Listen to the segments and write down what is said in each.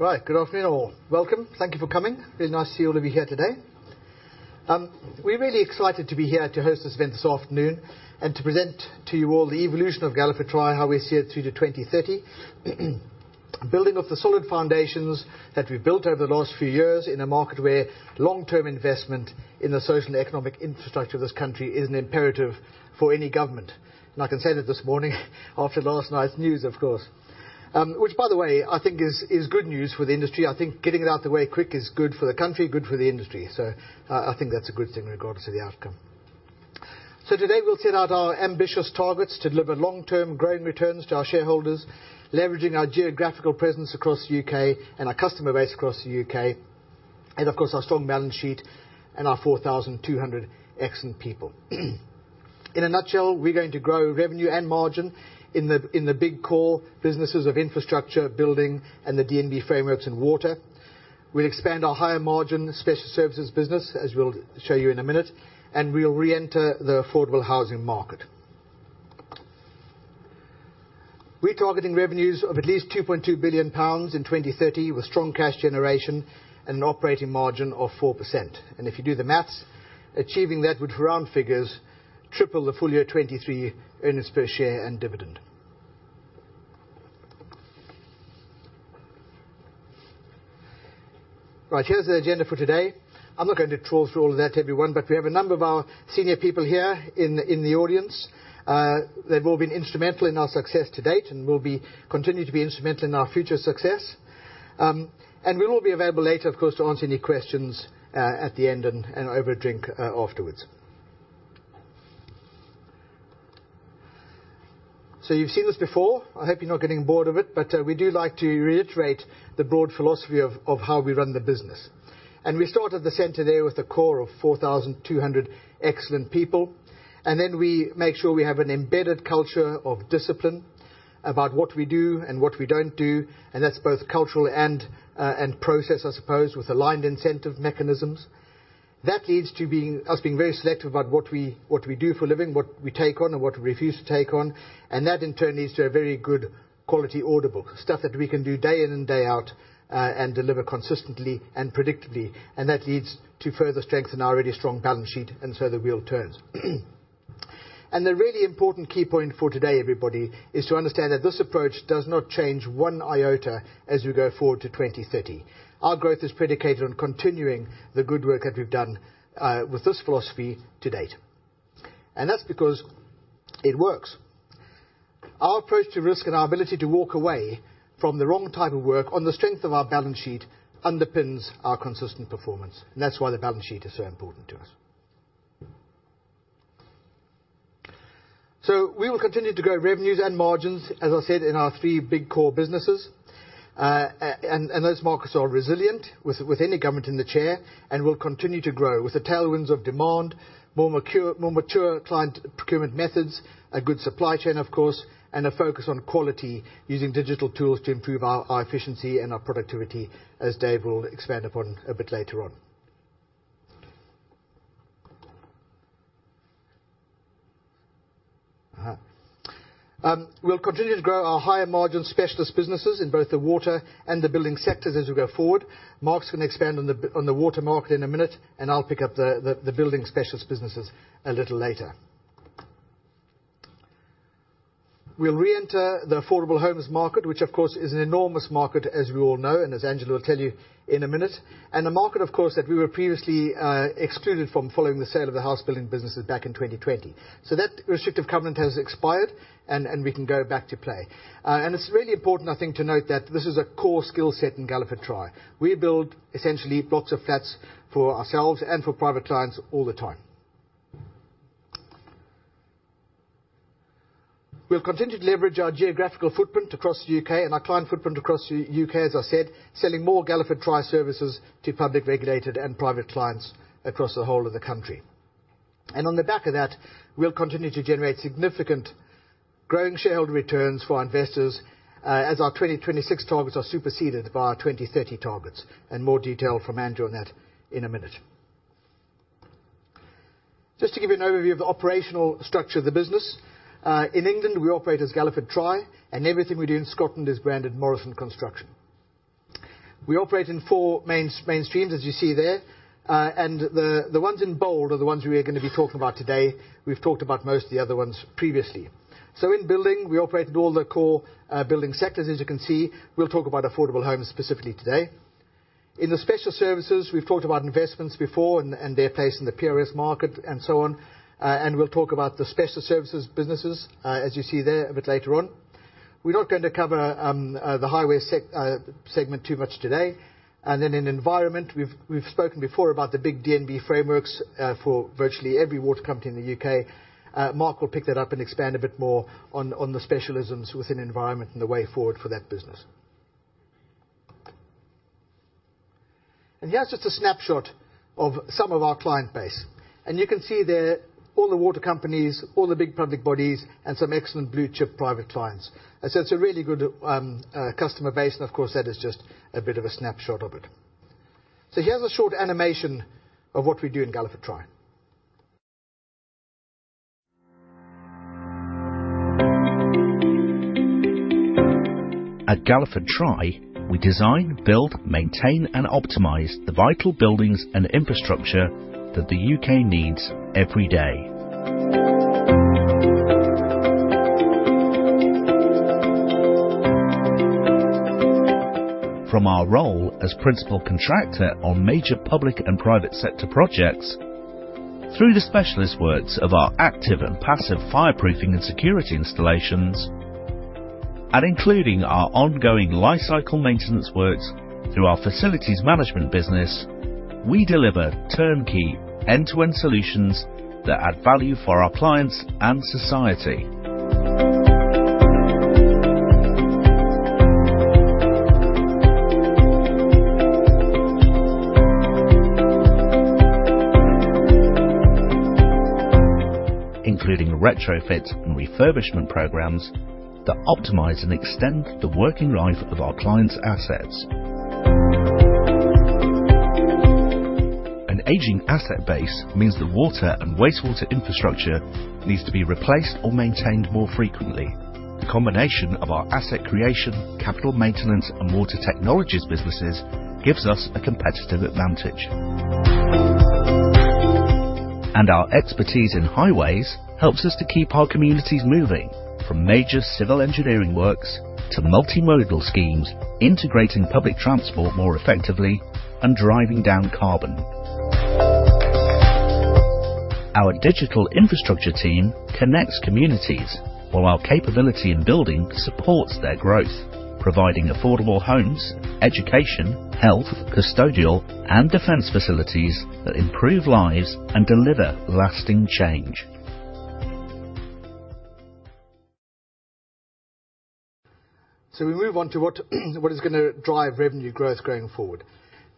Right. Good afternoon, all. Welcome. Thank you for coming. Very nice to see all of you here today. We're really excited to be here to host this event this afternoon, and to present to you all the evolution of Galliford Try, how we see it through to 2030. Building off the solid foundations that we've built over the last few years in a market where long-term investment in the social and economic infrastructure of this country is an imperative for any government. And I can say that this morning, after last night's news, of course. Which by the way, I think is good news for the industry. I think getting it out the way quick is good for the country, good for the industry, so I think that's a good thing in regards to the outcome. So today, we'll set out our ambitious targets to deliver long-term growing returns to our shareholders, leveraging our geographical presence across the UK and our customer base across the UK, and of course, our strong balance sheet and our 4,200 excellent people. In a nutshell, we're going to grow revenue and margin in the, in the big core businesses of infrastructure, building, and the D&B frameworks and water. We'll expand our higher margin special services business, as we'll show you in a minute, and we'll re-enter the affordable housing market. We're targeting revenues of at least 2.2 billion pounds in 2030, with strong cash generation and an operating margin of 4%. If you do the math, achieving that would, round figures, triple the full year 2023 earnings per share and dividend. Right, here's the agenda for today. I'm not going to trawl through all of that, everyone, but we have a number of our senior people here in, in the audience. They've all been instrumental in our success to date and will be, continue to be instrumental in our future success. And we will be available later, of course, to answer any questions, at the end and, and over a drink, afterwards. So you've seen this before. I hope you're not getting bored of it, but, we do like to reiterate the broad philosophy of, of how we run the business. We start at the center there with a core of 4,200 excellent people, and then we make sure we have an embedded culture of discipline about what we do and what we don't do, and that's both cultural and and process, I suppose, with aligned incentive mechanisms. That leads to being, us being very selective about what we, what we do for a living, what we take on and what we refuse to take on, and that, in turn, leads to a very good quality workload, stuff that we can do day in and day out, and deliver consistently and predictably. And that leads to further strengthen our already strong balance sheet, and so the wheel turns. And the really important key point for today, everybody, is to understand that this approach does not change one iota as we go forward to 2030. Our growth is predicated on continuing the good work that we've done with this philosophy to date. That's because it works. Our approach to risk and our ability to walk away from the wrong type of work on the strength of our balance sheet underpins our consistent performance, and that's why the balance sheet is so important to us. We will continue to grow revenues and margins, as I said, in our three big core businesses. And those markets are resilient with any government in the chair, and will continue to grow with the tailwinds of demand, more mature, more mature client procurement methods, a good supply chain, of course, and a focus on quality using digital tools to improve our efficiency and our productivity, as Dave will expand upon a bit later on. We'll continue to grow our higher-margin specialist businesses in both the water and the building sectors as we go forward. Mark's going to expand on the water market in a minute, and I'll pick up the building specialist businesses a little later. We'll re-enter the affordable homes market, which, of course, is an enormous market, as we all know, and as Angela will tell you in a minute. A market, of course, that we were previously excluded from following the sale of the house building businesses back in 2020. So that restrictive covenant has expired, and we can go back to play. And it's really important, I think, to note that this is a core skill set in Galliford Try. We build essentially blocks of flats for ourselves and for private clients all the time. We'll continue to leverage our geographical footprint across the U.K. and our client footprint across the U.K., as I said, selling more Galliford Try services to public, regulated, and private clients across the whole of the country. On the back of that, we'll continue to generate significant growing shareholder returns for our investors, as our 2026 targets are superseded by our 2030 targets. More detail from Andrew on that in a minute. Just to give you an overview of the operational structure of the business, in England, we operate as Galliford Try, and everything we do in Scotland is branded Morrison Construction. We operate in four mainstreams, as you see there, and the ones in bold are the ones we are going to be talking about today. We've talked about most of the other ones previously. So in building, we operate in all the core building sectors, as you can see. We'll talk about affordable homes, specifically today. In the special services, we've talked about investments before and their place in the PRS market, and so on. And we'll talk about the special services businesses, as you see there a bit later on. We're not going to cover the highway segment too much today. And then in environment, we've spoken before about the big D&B frameworks for virtually every water company in the U.K. Mark will pick that up and expand a bit more on the specialisms within environment and the way forward for that business. Here's just a snapshot of some of our client base, and you can see there all the water companies, all the big public bodies, and some excellent blue chip private clients. So it's a really good customer base, and of course, that is just a bit of a snapshot of it. Here's a short animation of what we do in Galliford Try. At Galliford Try, we design, build, maintain, and optimize the vital buildings and infrastructure that the U.K. needs every day. From our role as principal contractor on major public and private sector projects, through the specialist works of our active and passive fireproofing and security installations, and including our ongoing lifecycle maintenance works through our facilities management business, we deliver turnkey, end-to-end solutions that add value for our clients and society, including retrofits and refurbishment programs that optimize and extend the working life of our clients' assets. An aging asset base means the water and wastewater infrastructure needs to be replaced or maintained more frequently. The combination of our asset creation, capital maintenance, and water technologies businesses gives us a competitive advantage. Our expertise in highways helps us to keep our communities moving from major civil engineering works to multimodal schemes, integrating public transport more effectively and driving down carbon. Our digital infrastructure team connects communities, while our capability in building supports their growth, providing affordable homes, education, health, custodial, and defense facilities that improve lives and deliver lasting change. So we move on to what, what is going to drive revenue growth going forward.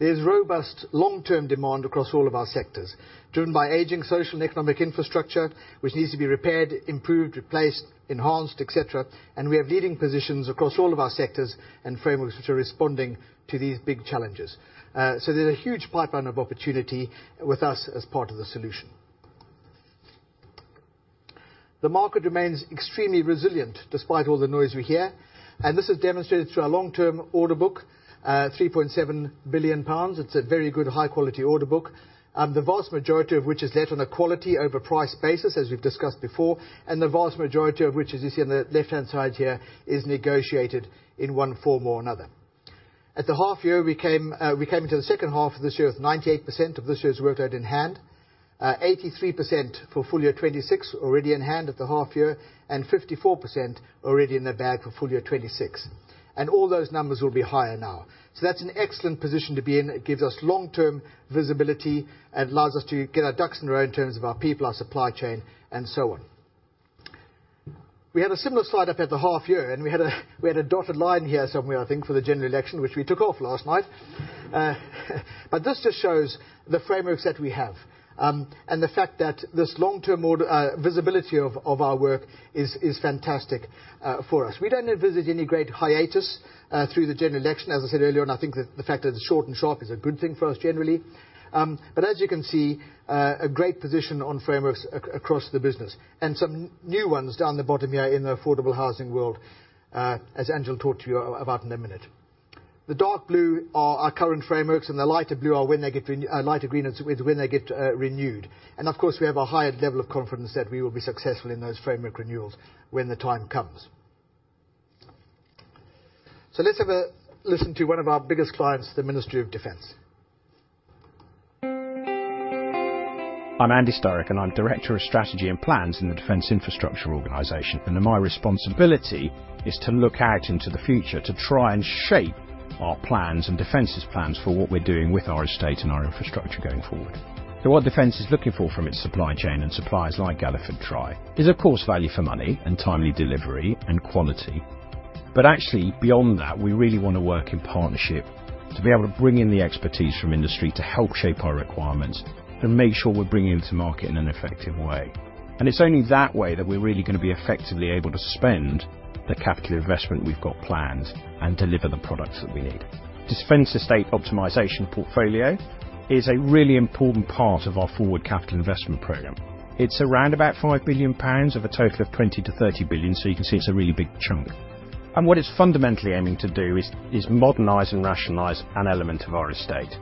There's robust long-term demand across all of our sectors, driven by aging social and economic infrastructure, which needs to be repaired, improved, replaced, enhanced, et cetera, and we have leading positions across all of our sectors and frameworks which are responding to these big challenges. So there's a huge pipeline of opportunity with us as part of the solution. The market remains extremely resilient despite all the noise we hear, and this is demonstrated through our long-term order book, three point seven billion pounds. It's a very good, high-quality order book, the vast majority of which is let on a quality over price basis, as we've discussed before, and the vast majority of which you see on the left-hand side here, is negotiated in one form or another. At the half year, we came, we came into the second half of this year with 98% of this year's workload in hand, 83% for full year 2026 already in hand at the half year, and 54% already in the bag for full year 2026. And all those numbers will be higher now. So that's an excellent position to be in. It gives us long-term visibility and allows us to get our ducks in a row in terms of our people, our supply chain, and so on. We had a similar slide up at the half year, and we had a dotted line here somewhere, I think, for the general election, which we took off last night. But this just shows the frameworks that we have, and the fact that this long-term order visibility of our work is fantastic for us. We don't envisage any great hiatus through the general election. As I said earlier on, I think that the fact that it's short and sharp is a good thing for us generally. But as you can see, a great position on frameworks across the business and some new ones down the bottom here in the affordable housing world, as Angela will talk to you about in a minute. The dark blue are our current frameworks, and the lighter blue are when they get re... lighter green is with when they get renewed. And of course, we have a higher level of confidence that we will be successful in those framework renewals when the time comes. So let's have a listen to one of our biggest clients, the Ministry of Defence. I'm Andy Sturrock, and I'm Director of Strategy and Plans in the Defence Infrastructure Organisation, and my responsibility is to look out into the future to try and shape our plans and Defence's plans for what we're doing with our estate and our infrastructure going forward. So what Defence is looking for from its supply chain and suppliers like Galliford Try is, of course, value for money and timely delivery and quality. But actually, beyond that, we really want to work in partnership to be able to bring in the expertise from industry to help shape our requirements and make sure we're bringing them to market in an effective way. And it's only that way that we're really going to be effectively able to spend the capital investment we've got planned and deliver the products that we need. Defence Estate Optimisation portfolio is a really important part of our forward capital investment program. It's around about 5 billion pounds of a total of 20 billion-30 billion, so you can see it's a really big chunk. And what it's fundamentally aiming to do is modernize and rationalize an element of our estate.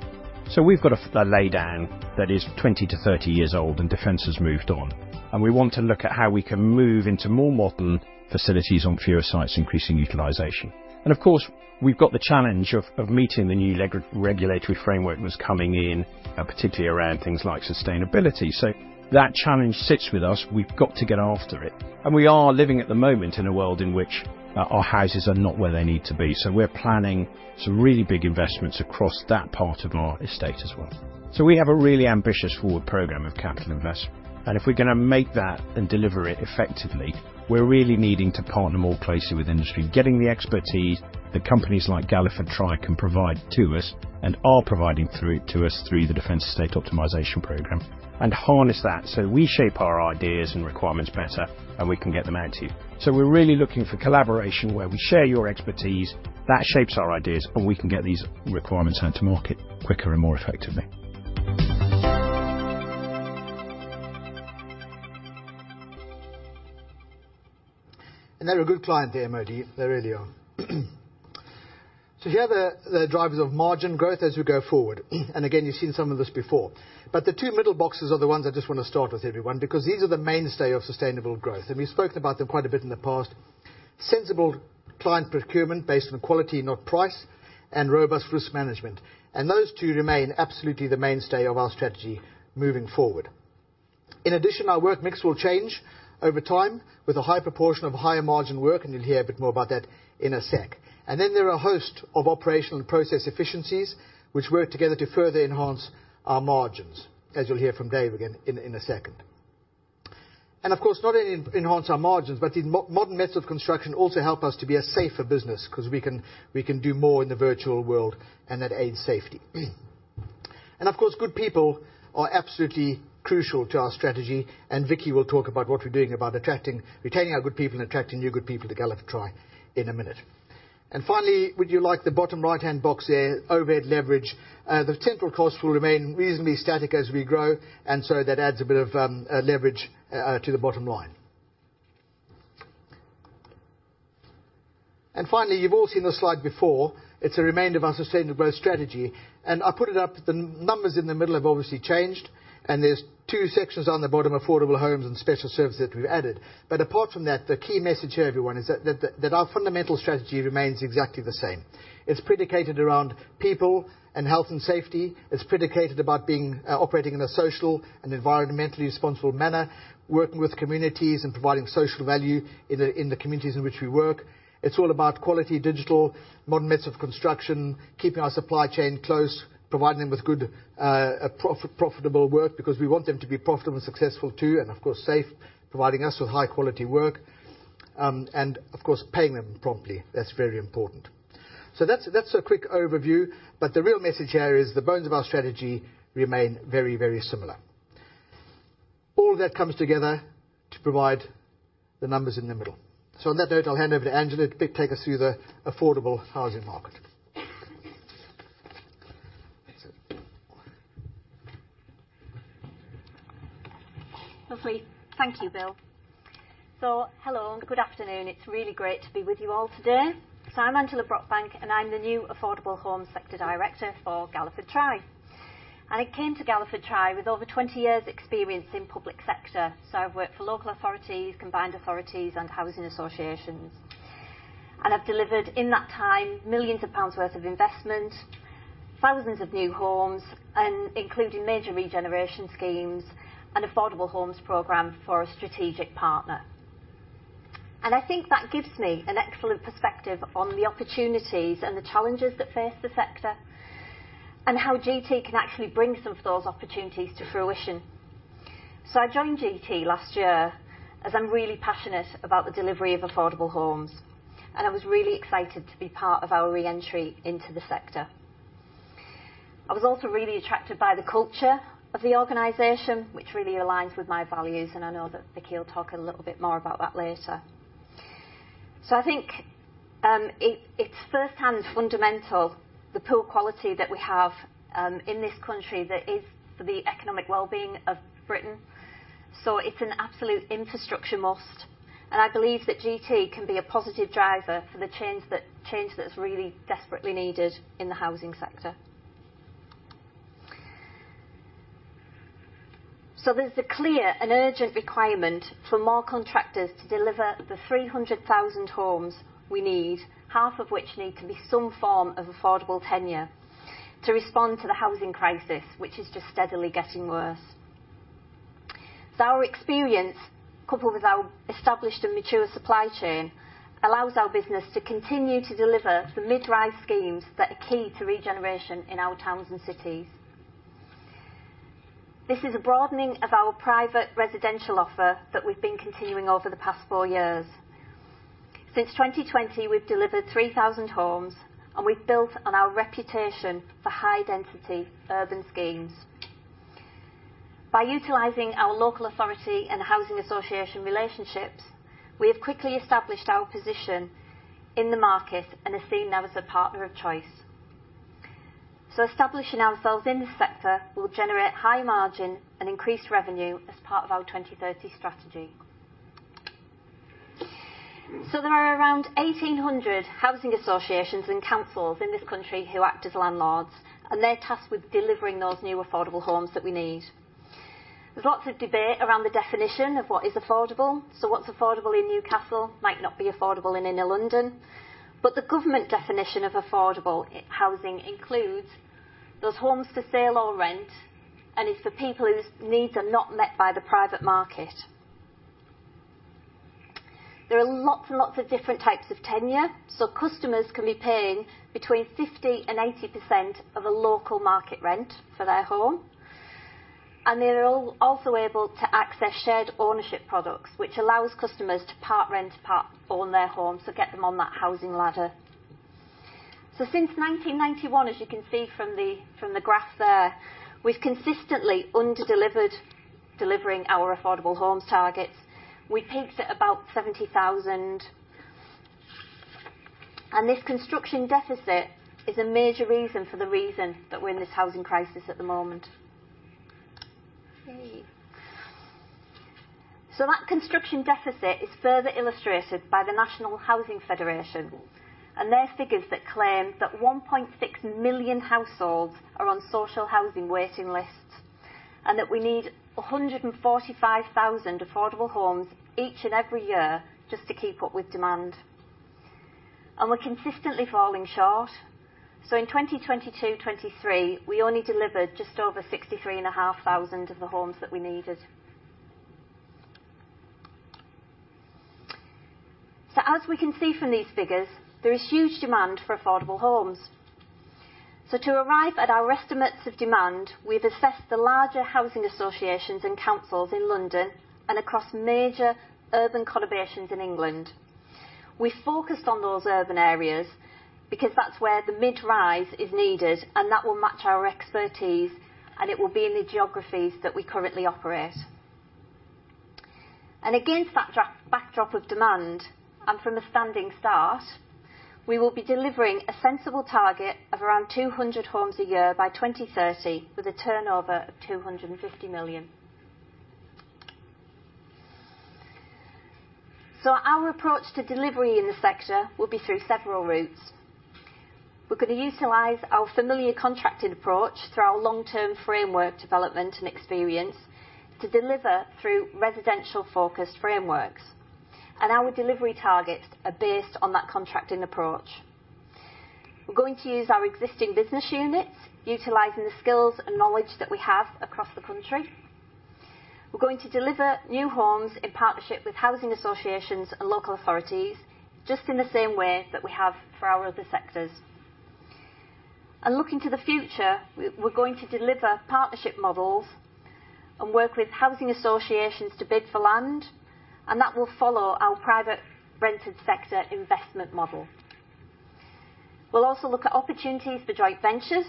So we've got a laydown that is 20-30 years old, and Defence has moved on, and we want to look at how we can move into more modern facilities on fewer sites, increasing utilization. And of course, we've got the challenge of meeting the new regulatory framework that's coming in, particularly around things like sustainability. So that challenge sits with us. We've got to get after it. And we are living at the moment in a world in which our houses are not where they need to be. So we're planning some really big investments across that part of our estate as well. So we have a really ambitious forward program of capital investment, and if we're going to make that and deliver it effectively, we're really needing to partner more closely with industry, getting the expertise that companies like Galliford Try can provide to us and are providing through to us through the Defence Estate Optimisation Programme, and harness that so we shape our ideas and requirements better, and we can get them out to you. So we're really looking for collaboration where we share your expertise, that shapes our ideas, and we can get these requirements out to market quicker and more effectively. They're a good client, the MOD. They really are. Here are the drivers of margin growth as we go forward. And again, you've seen some of this before. But the two middle boxes are the ones I just want to start with, everyone, because these are the mainstay of sustainable growth, and we've spoken about them quite a bit in the past. Sensible client procurement based on quality, not price, and robust risk management. And those two remain absolutely the mainstay of our strategy moving forward. In addition, our work mix will change over time, with a high proportion of higher margin work, and you'll hear a bit more about that in a sec. And then there are a host of operational and process efficiencies which work together to further enhance our margins, as you'll hear from Dave again in a second. Of course, not only enhance our margins, but the modern methods of construction also help us to be a safer business, 'cause we can do more in the virtual world, and that aids safety. Of course, good people are absolutely crucial to our strategy, and Vikki will talk about what we're doing about attracting... retaining our good people and attracting new good people to Galliford Try in a minute. Finally, would you like the bottom right-hand box there, overhead leverage? The central costs will remain reasonably static as we grow, and so that adds a bit of leverage to the bottom line. Finally, you've all seen this slide before. It's a remainder of our sustainable growth strategy, and I put it up. The n-numbers in the middle have obviously changed, and there's two sections on the bottom, Affordable Homes and Special Services, that we've added. But apart from that, the key message here, everyone, is that our fundamental strategy remains exactly the same. It's predicated around people and health and safety. It's predicated about being operating in a social and environmentally responsible manner, working with communities and providing social value in the communities in which we work. It's all about quality, digital, modern methods of construction, keeping our supply chain close, providing them with good profitable work, because we want them to be profitable and successful too, and of course, safe, providing us with high-quality work, and of course, paying them promptly. That's very important. So that's, that's a quick overview, but the real message here is the bones of our strategy remain very, very similar. All of that comes together to provide the numbers in the middle. So on that note, I'll hand over to Angela to take us through the affordable housing market. Lovely. Thank you, Bill. So hello, and good afternoon. It's really great to be with you all today. So I'm Angela Brockbank, and I'm the new Affordable Homes Sector Director for Galliford Try. I came to Galliford Try with over 20 years experience in public sector. So I've worked for local authorities, combined authorities, and housing associations. I've delivered, in that time, millions of GBP worth of investment, thousands of new homes, and including major regeneration schemes and affordable homes program for a strategic partner. I think that gives me an excellent perspective on the opportunities and the challenges that face the sector, and how GT can actually bring some of those opportunities to fruition. So I joined GT last year, as I'm really passionate about the delivery of affordable homes, and I was really excited to be part of our re-entry into the sector. I was also really attracted by the culture of the organization, which really aligns with my values, and I know that Vikki will talk a little bit more about that later. So I think, it's firsthand fundamental, the poor quality that we have in this country, that is for the economic well-being of Britain. So it's an absolute infrastructure must, and I believe that GT can be a positive driver for the change that's really desperately needed in the housing sector. So there's a clear and urgent requirement for more contractors to deliver the 300,000 homes we need, half of which need to be some form of affordable tenure, to respond to the housing crisis, which is just steadily getting worse. So our experience, coupled with our established and mature supply chain, allows our business to continue to deliver the mid-rise schemes that are key to regeneration in our towns and cities. This is a broadening of our private residential offer that we've been continuing over the past four years. Since 2020, we've delivered 3,000 homes, and we've built on our reputation for high-density urban schemes. By utilizing our local authority and housing association relationships, we have quickly established our position in the market and are seen now as a partner of choice. So establishing ourselves in this sector will generate high margin and increased revenue as part of our 2030 strategy. So there are around 1,800 housing associations and councils in this country who act as landlords, and they're tasked with delivering those new affordable homes that we need. There's lots of debate around the definition of what is affordable, so what's affordable in Newcastle might not be affordable in Inner London. But the government definition of affordable housing includes those homes for sale or rent, and it's for people whose needs are not met by the private market. There are lots and lots of different types of tenure, so customers can be paying between 50% and 80% of a local market rent for their home. And they're also able to access shared ownership products, which allows customers to part-rent, part-own their home, so get them on that housing ladder. So since 1991, as you can see from the graph there, we've consistently underdelivered delivering our affordable homes targets. We peaked at about 70,000. This construction deficit is a major reason for the reason that we're in this housing crisis at the moment. That construction deficit is further illustrated by the National Housing Federation, and their figures that claim that 1.6 million households are on social housing waiting lists, and that we need 145,000 affordable homes each and every year just to keep up with demand. We're consistently falling short. In 2022-2023, we only delivered just over 63,500 of the homes that we needed. As we can see from these figures, there is huge demand for affordable homes. To arrive at our estimates of demand, we've assessed the larger housing associations and councils in London and across major urban conurbations in England. We focused on those urban areas because that's where the midrise is needed, and that will match our expertise, and it will be in the geographies that we currently operate. And against that backdrop of demand, and from a standing start, we will be delivering a sensible target of around 200 homes a year by 2030, with a turnover of 250 million. So our approach to delivery in the sector will be through several routes. We're going to utilize our familiar contracted approach through our long-term framework development and experience to deliver through residential-focused frameworks, and our delivery targets are based on that contracting approach. We're going to use our existing business units, utilizing the skills and knowledge that we have across the country. We're going to deliver new homes in partnership with housing associations and local authorities, just in the same way that we have for our other sectors. Looking to the future, we're going to deliver partnership models and work with housing associations to bid for land, and that will follow our private rented sector investment model. We'll also look at opportunities for joint ventures,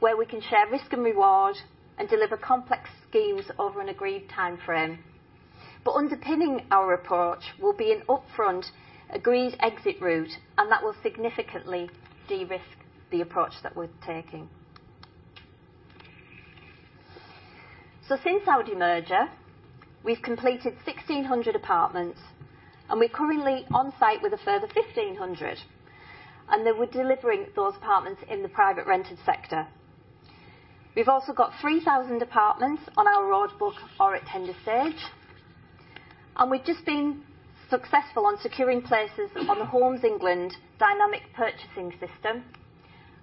where we can share risk and reward and deliver complex schemes over an agreed timeframe. Underpinning our approach will be an upfront, agreed exit route, and that will significantly de-risk the approach that we're taking. Since our demerger, we've completed 1,600 apartments, and we're currently on site with a further 1,500, and then we're delivering those apartments in the private rented sector. We've also got 3,000 apartments on our order book or at tender stage, and we've just been successful on securing places on the Homes England Dynamic Purchasing System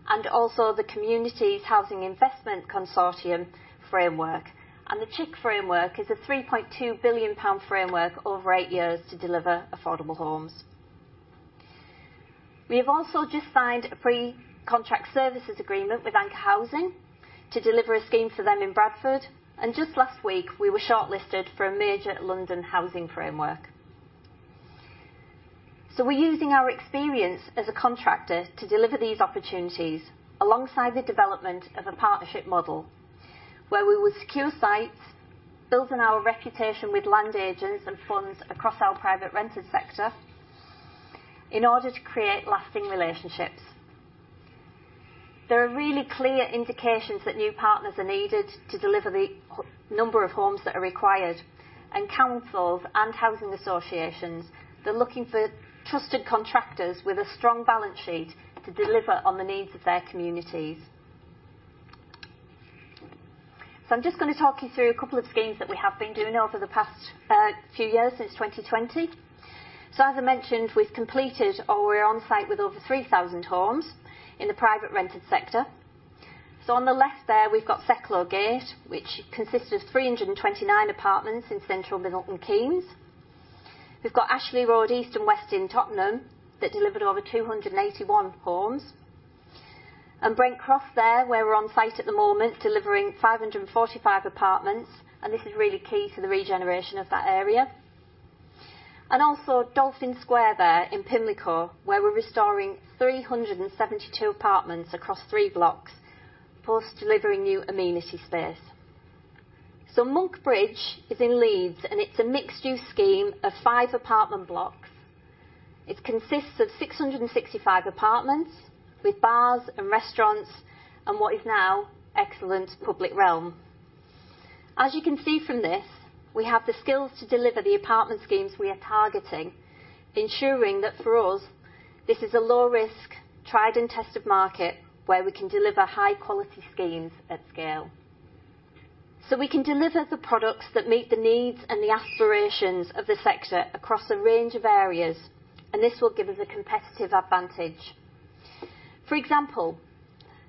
and also the Communities Housing Investment Consortium framework. The CHIC framework is a 3.2 billion pound framework over eight years to deliver affordable homes. We have also just signed a pre-contract services agreement with Anchor Housing to deliver a scheme for them in Bradford, and just last week, we were shortlisted for a major London housing framework. We're using our experience as a contractor to deliver these opportunities, alongside the development of a partnership model, where we will secure sites, building our reputation with land agents and funds across our private rented sector in order to create lasting relationships. There are really clear indications that new partners are needed to deliver the number of homes that are required, and councils and housing associations, they're looking for trusted contractors with a strong balance sheet to deliver on the needs of their communities. So I'm just going to talk you through a couple of schemes that we have been doing over the past few years, since 2020. So as I mentioned, we've completed or we're on site with over 3,000 homes in the private rented sector. So on the left there, we've got Secklow Gate, which consists of 329 apartments in central Milton Keynes. We've got Ashley Road, East and West in Tottenham, that delivered over 281 homes. Brent Cross there, where we're on site at the moment, delivering 545 apartments, and this is really key to the regeneration of that area. Also Dolphin Square there in Pimlico, where we're restoring 372 apartments across three blocks, plus delivering new amenity space. Monk Bridge is in Leeds, and it's a mixed-use scheme of five apartment blocks. It consists of 665 apartments with bars and restaurants and what is now excellent public realm. As you can see from this, we have the skills to deliver the apartment schemes we are targeting, ensuring that for us, this is a low risk, tried and tested market where we can deliver high-quality schemes at scale. So we can deliver the products that meet the needs and the aspirations of the sector across a range of areas, and this will give us a competitive advantage. For example,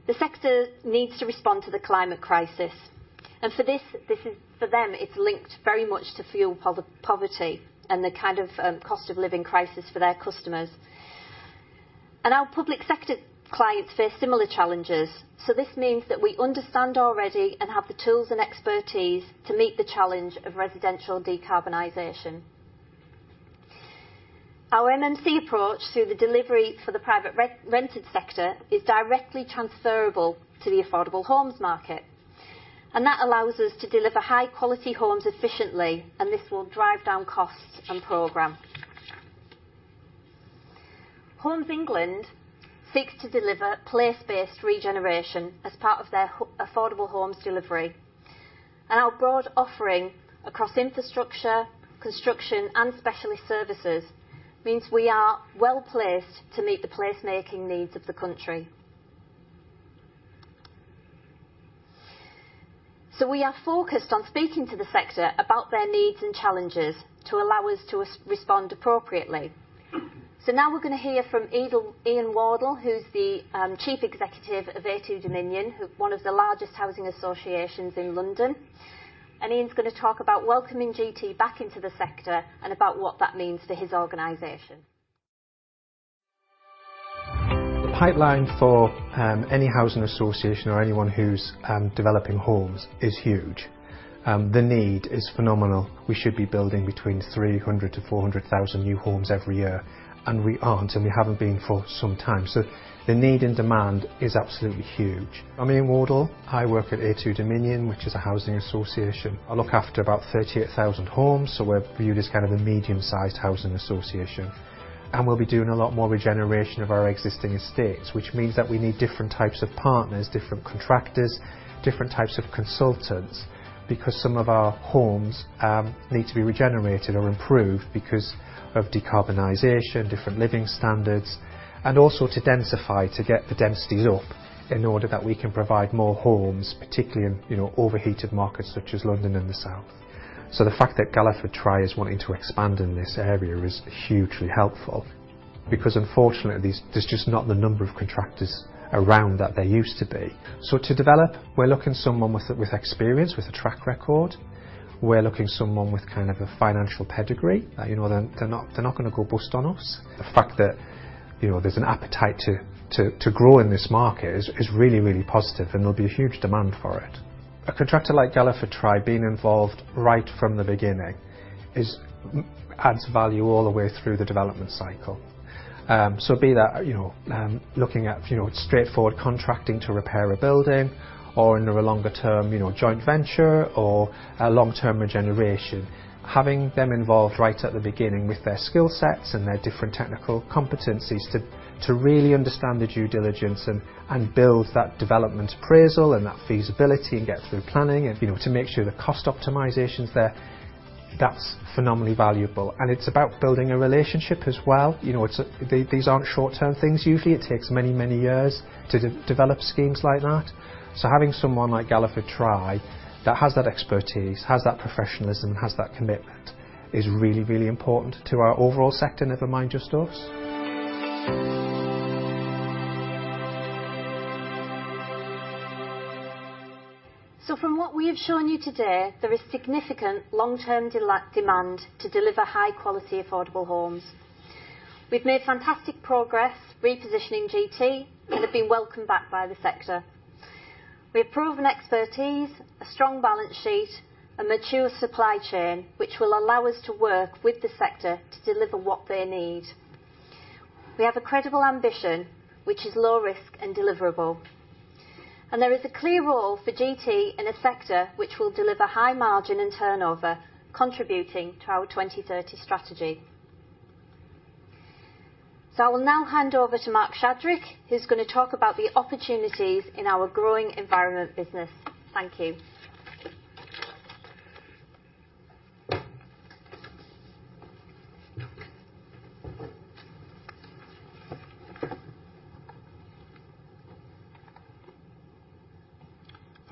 the sector needs to respond to the climate crisis, and for this, for them, it's linked very much to fuel poverty and the kind of cost of living crisis for their customers. And our public sector clients face similar challenges, so this means that we understand already and have the tools and expertise to meet the challenge of residential decarbonization. Our MMC approach to the delivery for the private rented sector is directly transferable to the affordable homes market, and that allows us to deliver high quality homes efficiently, and this will drive down costs and program. Homes England seeks to deliver place-based regeneration as part of their affordable homes delivery, and our broad offering across infrastructure, construction, and specialist services means we are well-placed to meet the placemaking needs of the country. So we are focused on speaking to the sector about their needs and challenges to allow us to respond appropriately. So now we're going to hear from Ian Wardle, who's the Chief Executive of A2Dominion, who is one of the largest housing associations in London. Ian's going to talk about welcoming GT back into the sector and about what that means for his organization. The pipeline for any housing association or anyone who's developing homes is huge. The need is phenomenal. We should be building between 300,000-400,000 new homes every year, and we aren't, and we haven't been for some time. So the need and demand is absolutely huge. I'm Ian Wardle. I work at A2Dominion, which is a housing association. I look after about 38,000 homes, so we're viewed as kind of a medium-sized housing association, and we'll be doing a lot more regeneration of our existing estates, which means that we need different types of partners, different contractors, different types of consultants, because some of our homes need to be regenerated or improved because of decarbonization, different living standards, and also to densify, to get the densities up in order that we can provide more homes, particularly in, you know, overheated markets such as London and the South. So the fact that Galliford Try is wanting to expand in this area is hugely helpful because unfortunately, there's just not the number of contractors around that there used to be. So to develop, we're looking someone with experience, with a track record. We're looking someone with kind of a financial pedigree, you know, they're, they're not, they're not going to go bust on us. The fact that, you know, there's an appetite to, to, to grow in this market is, is really, really positive, and there'll be a huge demand for it. A contractor like Galliford Try, being involved right from the beginning is adds value all the way through the development cycle. So be that, you know, looking at, you know, straightforward contracting to repair a building or in a longer term, you know, joint venture or a long-term regeneration. Having them involved right at the beginning with their skill sets and their different technical competencies to really understand the due diligence and build that development appraisal and that feasibility and get through planning and, you know, to make sure the cost optimization is there, that's phenomenally valuable. And it's about building a relationship as well. You know, it's a, these aren't short-term things. Usually, it takes many, many years to de-develop schemes like that. So having someone like Galliford Try, that has that expertise, has that professionalism, has that commitment, is really, really important to our overall sector, never mind just us. So from what we have shown you today, there is significant long-term demand to deliver high-quality, affordable homes. We've made fantastic progress repositioning GT, and have been welcomed back by the sector. We've proven expertise, a strong balance sheet, a mature supply chain, which will allow us to work with the sector to deliver what they need. We have a credible ambition, which is low risk and deliverable, and there is a clear role for GT in a sector which will deliver high margin and turnover, contributing to our 2030 strategy. So I will now hand over to Mark Shadrick, who's going to talk about the opportunities in our growing environment business. Thank you.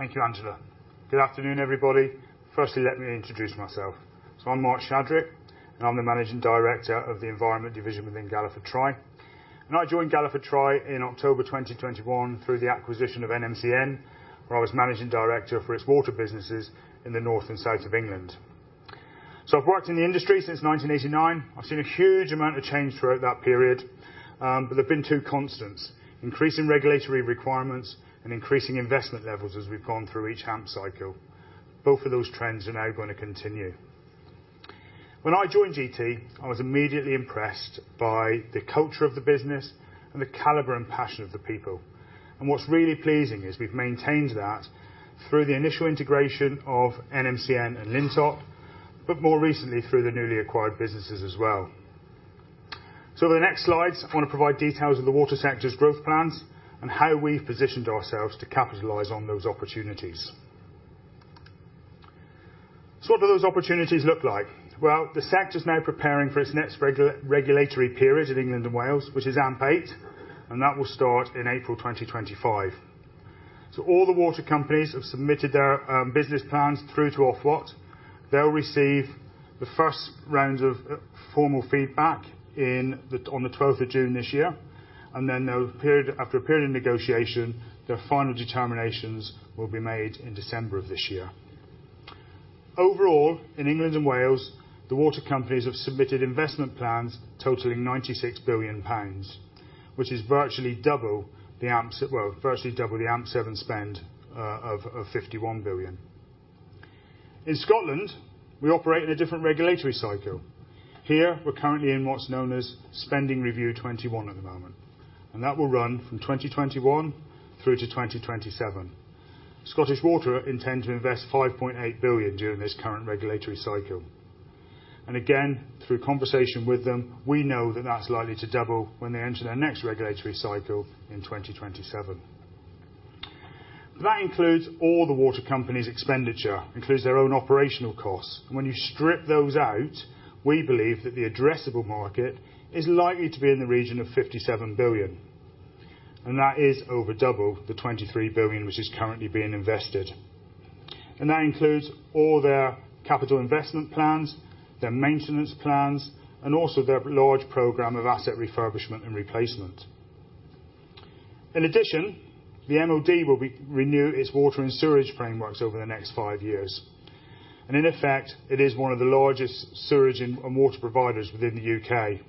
Thank you, Angela. Good afternoon, everybody. Firstly, let me introduce myself. I'm Mark Shadrick, and I'm the Managing Director of the Environment Division within Galliford Try, and I joined Galliford Try in October 2021 through the acquisition of NMCN, where I was Managing Director for its water businesses in the north and south of England. I've worked in the industry since 1989. I've seen a huge amount of change throughout that period, but there have been two constants: increasing regulatory requirements and increasing investment levels as we've gone through each AMP cycle. Both of those trends are now going to continue. When I joined GT, I was immediately impressed by the culture of the business and the caliber and passion of the people, and what's really pleasing is we've maintained that through the initial integration of NMCN and Lintott, but more recently through the newly acquired businesses as well. So the next slides, I want to provide details of the water sector's growth plans and how we've positioned ourselves to capitalize on those opportunities. So what do those opportunities look like? Well, the sector is now preparing for its next regulatory period in England and Wales, which is AMP8, and that will start in April 2025. So all the water companies have submitted their business plans through to Ofwat. They'll receive the first round of formal feedback on the 12th of June this year, and then, after a period of negotiation, their final determinations will be made in December of this year. Overall, in England and Wales, the water companies have submitted investment plans totaling 96 billion pounds, which is virtually double the AMP7. Well, virtually double the AMP7 spend of 51 billion. In Scotland, we operate in a different regulatory cycle. Here, we're currently in what's known as Spending Review 21 at the moment, and that will run from 2021 through to 2027. Scottish Water intend to invest 5.8 billion during this current regulatory cycle, and again, through conversation with them, we know that that's likely to double when they enter their next regulatory cycle in 2027. That includes all the water companies' expenditure, includes their own operational costs, and when you strip those out, we believe that the addressable market is likely to be in the region of 57 billion, and that is over double the 23 billion, which is currently being invested. That includes all their capital investment plans, their maintenance plans, and also their large program of asset refurbishment and replacement. In addition, the MOD will renew its water and sewage frameworks over the next five years, and in effect, it is one of the largest sewage and water providers within the U.K.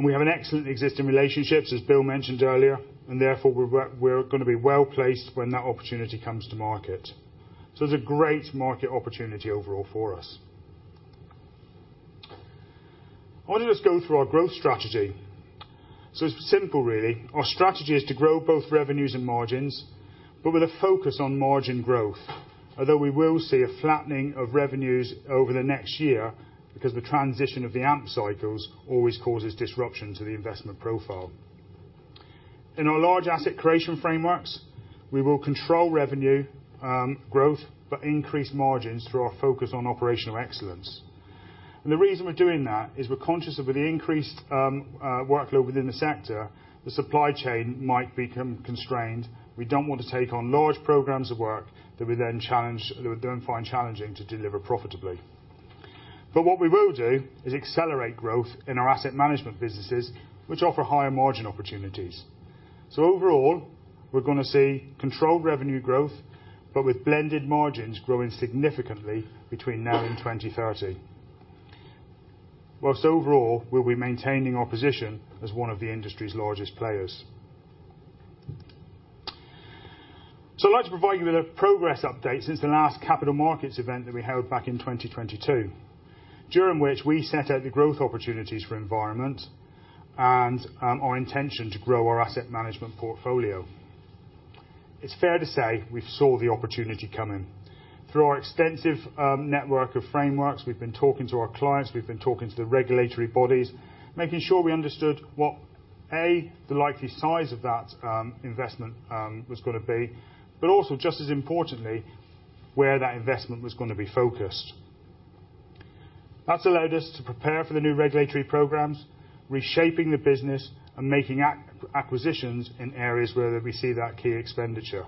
We have an excellent existing relationships, as Bill mentioned earlier, and therefore, we're gonna be well-placed when that opportunity comes to market. It's a great market opportunity overall for us. I'll just go through our growth strategy. It's simple, really. Our strategy is to grow both revenues and margins, but with a focus on margin growth. Although we will see a flattening of revenues over the next year because the transition of the AMP cycles always causes disruption to the investment profile. In our large asset creation frameworks, we will control revenue growth, but increase margins through our focus on operational excellence. The reason we're doing that is we're conscious of the increased workload within the sector, the supply chain might become constrained. We don't want to take on large programs of work that we then find challenging to deliver profitably. But what we will do is accelerate growth in our asset management businesses, which offer higher margin opportunities. So overall, we're gonna see controlled revenue growth, but with blended margins growing significantly between now and 2030. While overall, we'll be maintaining our position as one of the industry's largest players. So I'd like to provide you with a progress update since the last capital markets event that we held back in 2022, during which we set out the growth opportunities for Environment and our intention to grow our Asset Management portfolio. It's fair to say we saw the opportunity coming. Through our extensive network of frameworks, we've been talking to our clients, we've been talking to the regulatory bodies, making sure we understood what, A, the likely size of that investment was gonna be, but also, just as importantly, where that investment was gonna be focused. That's allowed us to prepare for the new regulatory programs, reshaping the business and making acquisitions in areas where we see that key expenditure.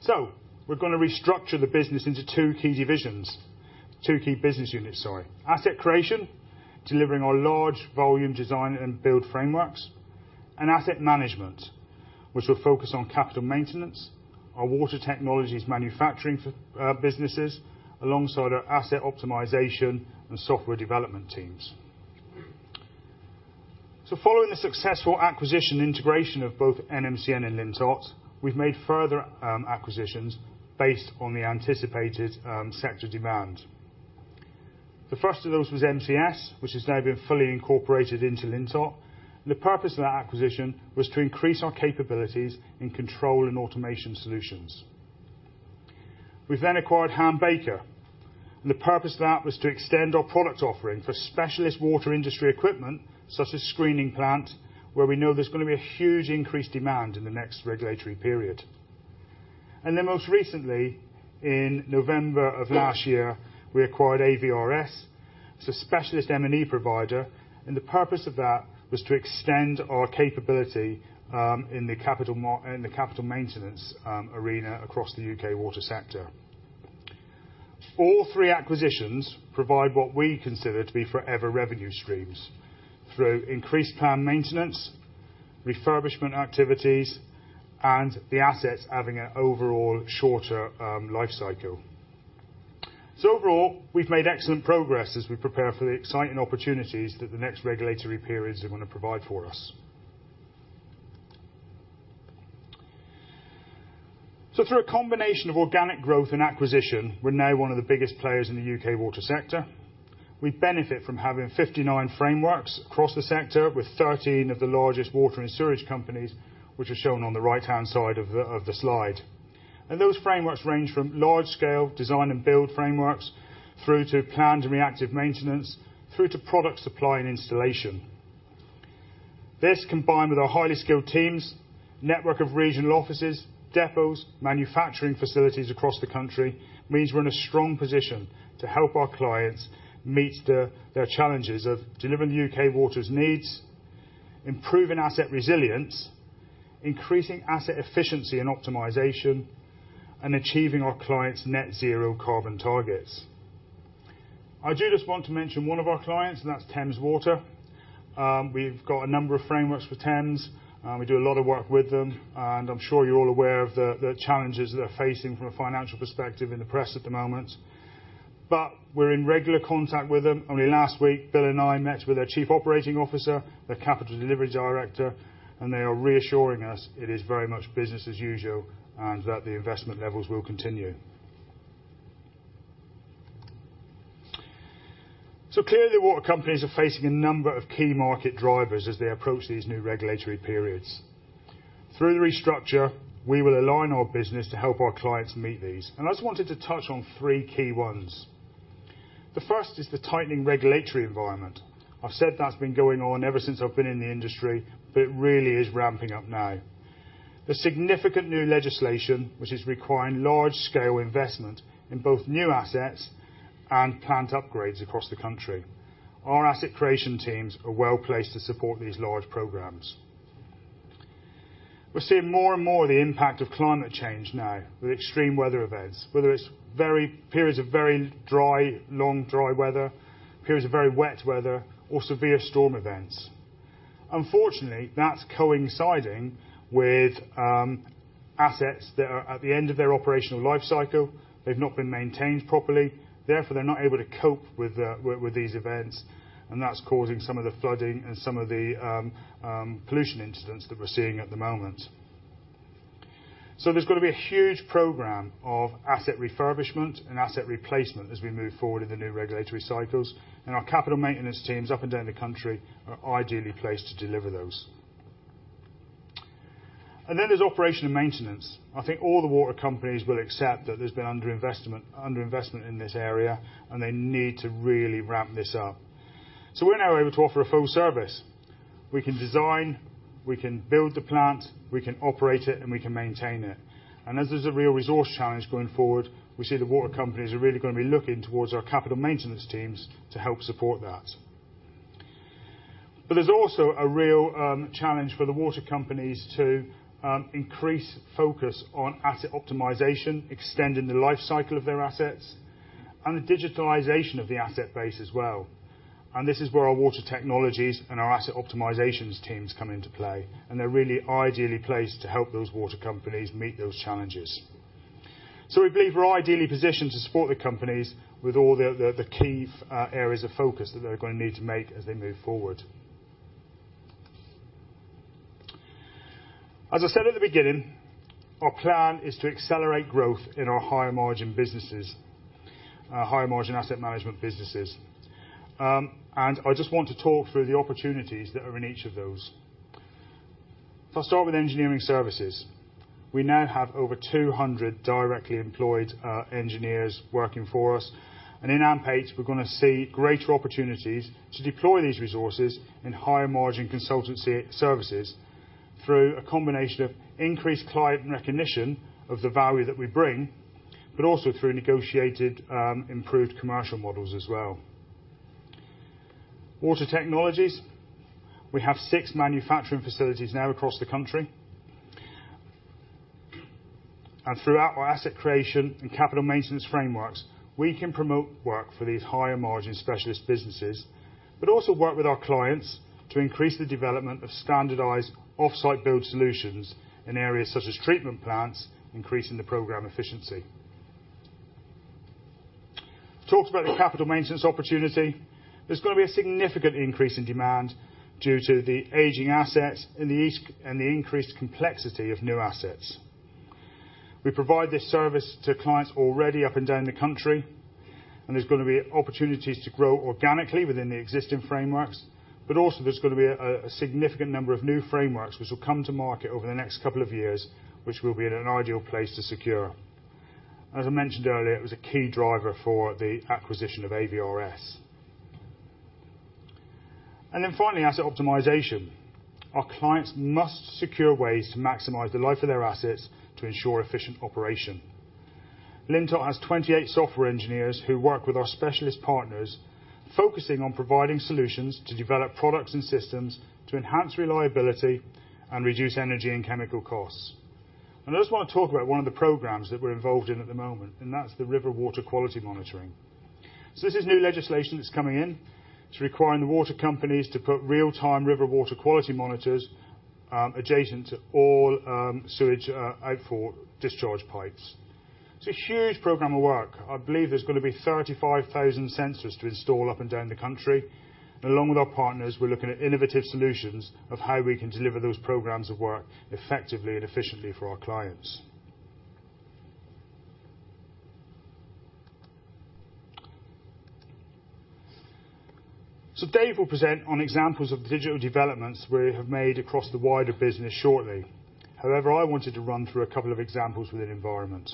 So we're gonna restructure the business into two key divisions, two key business units, sorry. Asset creation, delivering our large volume design and build frameworks, and asset management, which will focus on capital maintenance, our water technologies manufacturing for businesses, alongside our asset optimization and software development teams. So following the successful acquisition and integration of both NMCN and Lintott, we've made further acquisitions based on the anticipated sector demand. The first of those was MCS, which has now been fully incorporated into Lintott. The purpose of that acquisition was to increase our capabilities in control and automation solutions. We then acquired Ham Baker, and the purpose of that was to extend our product offering for specialist water industry equipment, such as screening plant, where we know there's gonna be a huge increased demand in the next regulatory period. And then, most recently, in November of last year, we acquired AVRS. It's a specialist M&E provider, and the purpose of that was to extend our capability in the capital maintenance arena across the U.K. water sector. All three acquisitions provide what we consider to be forever revenue streams through increased planned maintenance, refurbishment activities, and the assets having an overall shorter life cycle. So overall, we've made excellent progress as we prepare for the exciting opportunities that the next regulatory periods are gonna provide for us. So through a combination of organic growth and acquisition, we're now one of the biggest players in the U.K. water sector. We benefit from having 59 frameworks across the sector, with 13 of the largest water and sewage companies, which are shown on the right-hand side of the slide. Those frameworks range from large-scale design and build frameworks, through to planned and reactive maintenance, through to product supply and installation. This, combined with our highly skilled teams, network of regional offices, depots, manufacturing facilities across the country, means we're in a strong position to help our clients meet their challenges of delivering the U.K. water's needs, improving asset resilience, increasing asset efficiency and optimization, and achieving our clients' net zero carbon targets. I do just want to mention one of our clients, and that's Thames Water. We've got a number of frameworks for Thames, and we do a lot of work with them, and I'm sure you're all aware of the challenges they're facing from a financial perspective in the press at the moment, but we're in regular contact with them. Only last week, Bill and I met with their chief operating officer, their capital delivery director, and they are reassuring us it is very much business as usual, and that the investment levels will continue. So clearly, the water companies are facing a number of key market drivers as they approach these new regulatory periods. Through the restructure, we will align our business to help our clients meet these, and I just wanted to touch on three key ones. The first is the tightening regulatory environment. I've said that's been going on ever since I've been in the industry, but it really is ramping up now. The significant new legislation, which is requiring large-scale investment in both new assets and plant upgrades across the country. Our asset creation teams are well-placed to support these large programs. We're seeing more and more the impact of climate change now, with extreme weather events, whether it's periods of very dry, long, dry weather, periods of very wet weather, or severe storm events. Unfortunately, that's coinciding with assets that are at the end of their operational life cycle. They've not been maintained properly, therefore, they're not able to cope with these events, and that's causing some of the flooding and some of the pollution incidents that we're seeing at the moment. So there's got to be a huge program of asset refurbishment and asset replacement as we move forward in the new regulatory cycles, and our capital maintenance teams up and down the country are ideally placed to deliver those. And then there's operation and maintenance. I think all the water companies will accept that there's been underinvestment, underinvestment in this area, and they need to really ramp this up. So we're now able to offer a full service. We can design, we can build the plant, we can operate it, and we can maintain it. And as there's a real resource challenge going forward, we see the water companies are really gonna be looking towards our capital maintenance teams to help support that. But there's also a real challenge for the water companies to increase focus on asset optimization, extending the life cycle of their assets, and the digitalization of the asset base as well. And this is where our water technologies and our asset optimization teams come into play, and they're really ideally placed to help those water companies meet those challenges. So we believe we're ideally positioned to support the companies with all the key areas of focus that they're gonna need to make as they move forward. As I said at the beginning, our plan is to accelerate growth in our higher margin businesses, higher margin asset management businesses. And I just want to talk through the opportunities that are in each of those. If I start with engineering services, we now have over 200 directly employed engineers working for us, and in AMP8, we're gonna see greater opportunities to deploy these resources in higher margin consultancy services through a combination of increased client recognition of the value that we bring, but also through negotiated improved commercial models as well. Water technologies, we have six manufacturing facilities now across the country. Throughout our Asset Creation and Capital Maintenance frameworks, we can promote work for these higher margin specialist businesses, but also work with our clients to increase the development of standardized off-site build solutions in areas such as treatment plants, increasing the program efficiency. Talked about the capital maintenance opportunity. There's gonna be a significant increase in demand due to the aging assets and the increased complexity of new assets. We provide this service to clients already up and down the country, and there's gonna be opportunities to grow organically within the existing frameworks, but also there's gonna be a significant number of new frameworks which will come to market over the next couple of years, which we'll be in an ideal place to secure. As I mentioned earlier, it was a key driver for the acquisition of AVRS. Then finally, asset optimization. Our clients must secure ways to maximize the life of their assets to ensure efficient operation. Lintott has 28 software engineers who work with our specialist partners, focusing on providing solutions to develop products and systems to enhance reliability and reduce energy and chemical costs. I just want to talk about one of the programs that we're involved in at the moment, and that's the river water quality monitoring. This is new legislation that's coming in. It's requiring the water companies to put real-time river water quality monitors adjacent to all sewage outfall discharge pipes. It's a huge program of work. I believe there's gonna be 35,000 sensors to install up and down the country. Along with our partners, we're looking at innovative solutions of how we can deliver those programs of work effectively and efficiently for our clients. Dave will present on examples of digital developments we have made across the wider business shortly. However, I wanted to run through a couple of examples within Environment.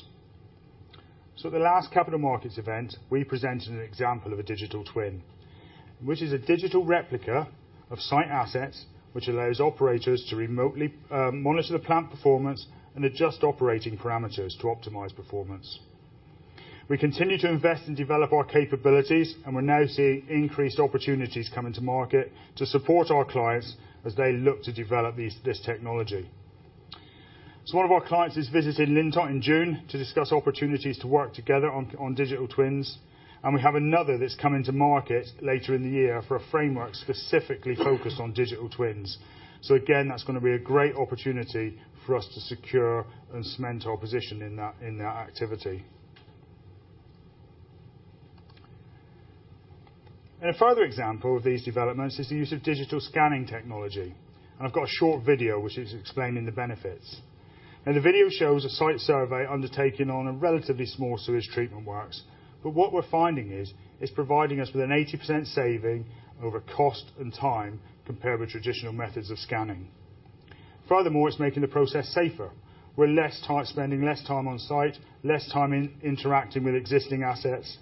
At the last Capital Markets event, we presented an example of a digital twin, which is a digital replica of site assets, which allows operators to remotely monitor the plant performance and adjust operating parameters to optimize performance. We continue to invest and develop our capabilities, and we're now seeing increased opportunities coming to market to support our clients as they look to develop these, this technology. One of our clients is visiting Lintott in June to discuss opportunities to work together on, on digital twins, and we have another that's coming to market later in the year for a framework specifically focused on digital twins. So again, that's gonna be a great opportunity for us to secure and cement our position in that, in that activity. A further example of these developments is the use of digital scanning technology. I've got a short video which is explaining the benefits. The video shows a site survey undertaken on a relatively small sewage treatment works. But what we're finding is, it's providing us with an 80% saving over cost and time compared with traditional methods of scanning. Furthermore, it's making the process safer. We're spending less time on site, less time interacting with existing assets,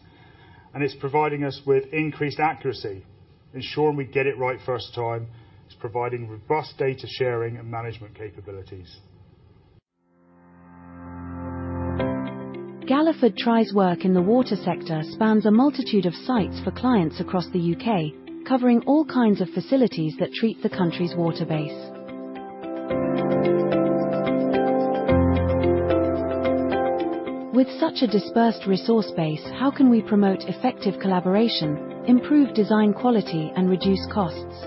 and it's providing us with increased accuracy, ensuring we get it right first time. It's providing robust data sharing and management capabilities. Galliford Try's work in the water sector spans a multitude of sites for clients across the U.K., covering all kinds of facilities that treat the country's water base. With such a dispersed resource base, how can we promote effective collaboration, improve design quality, and reduce costs?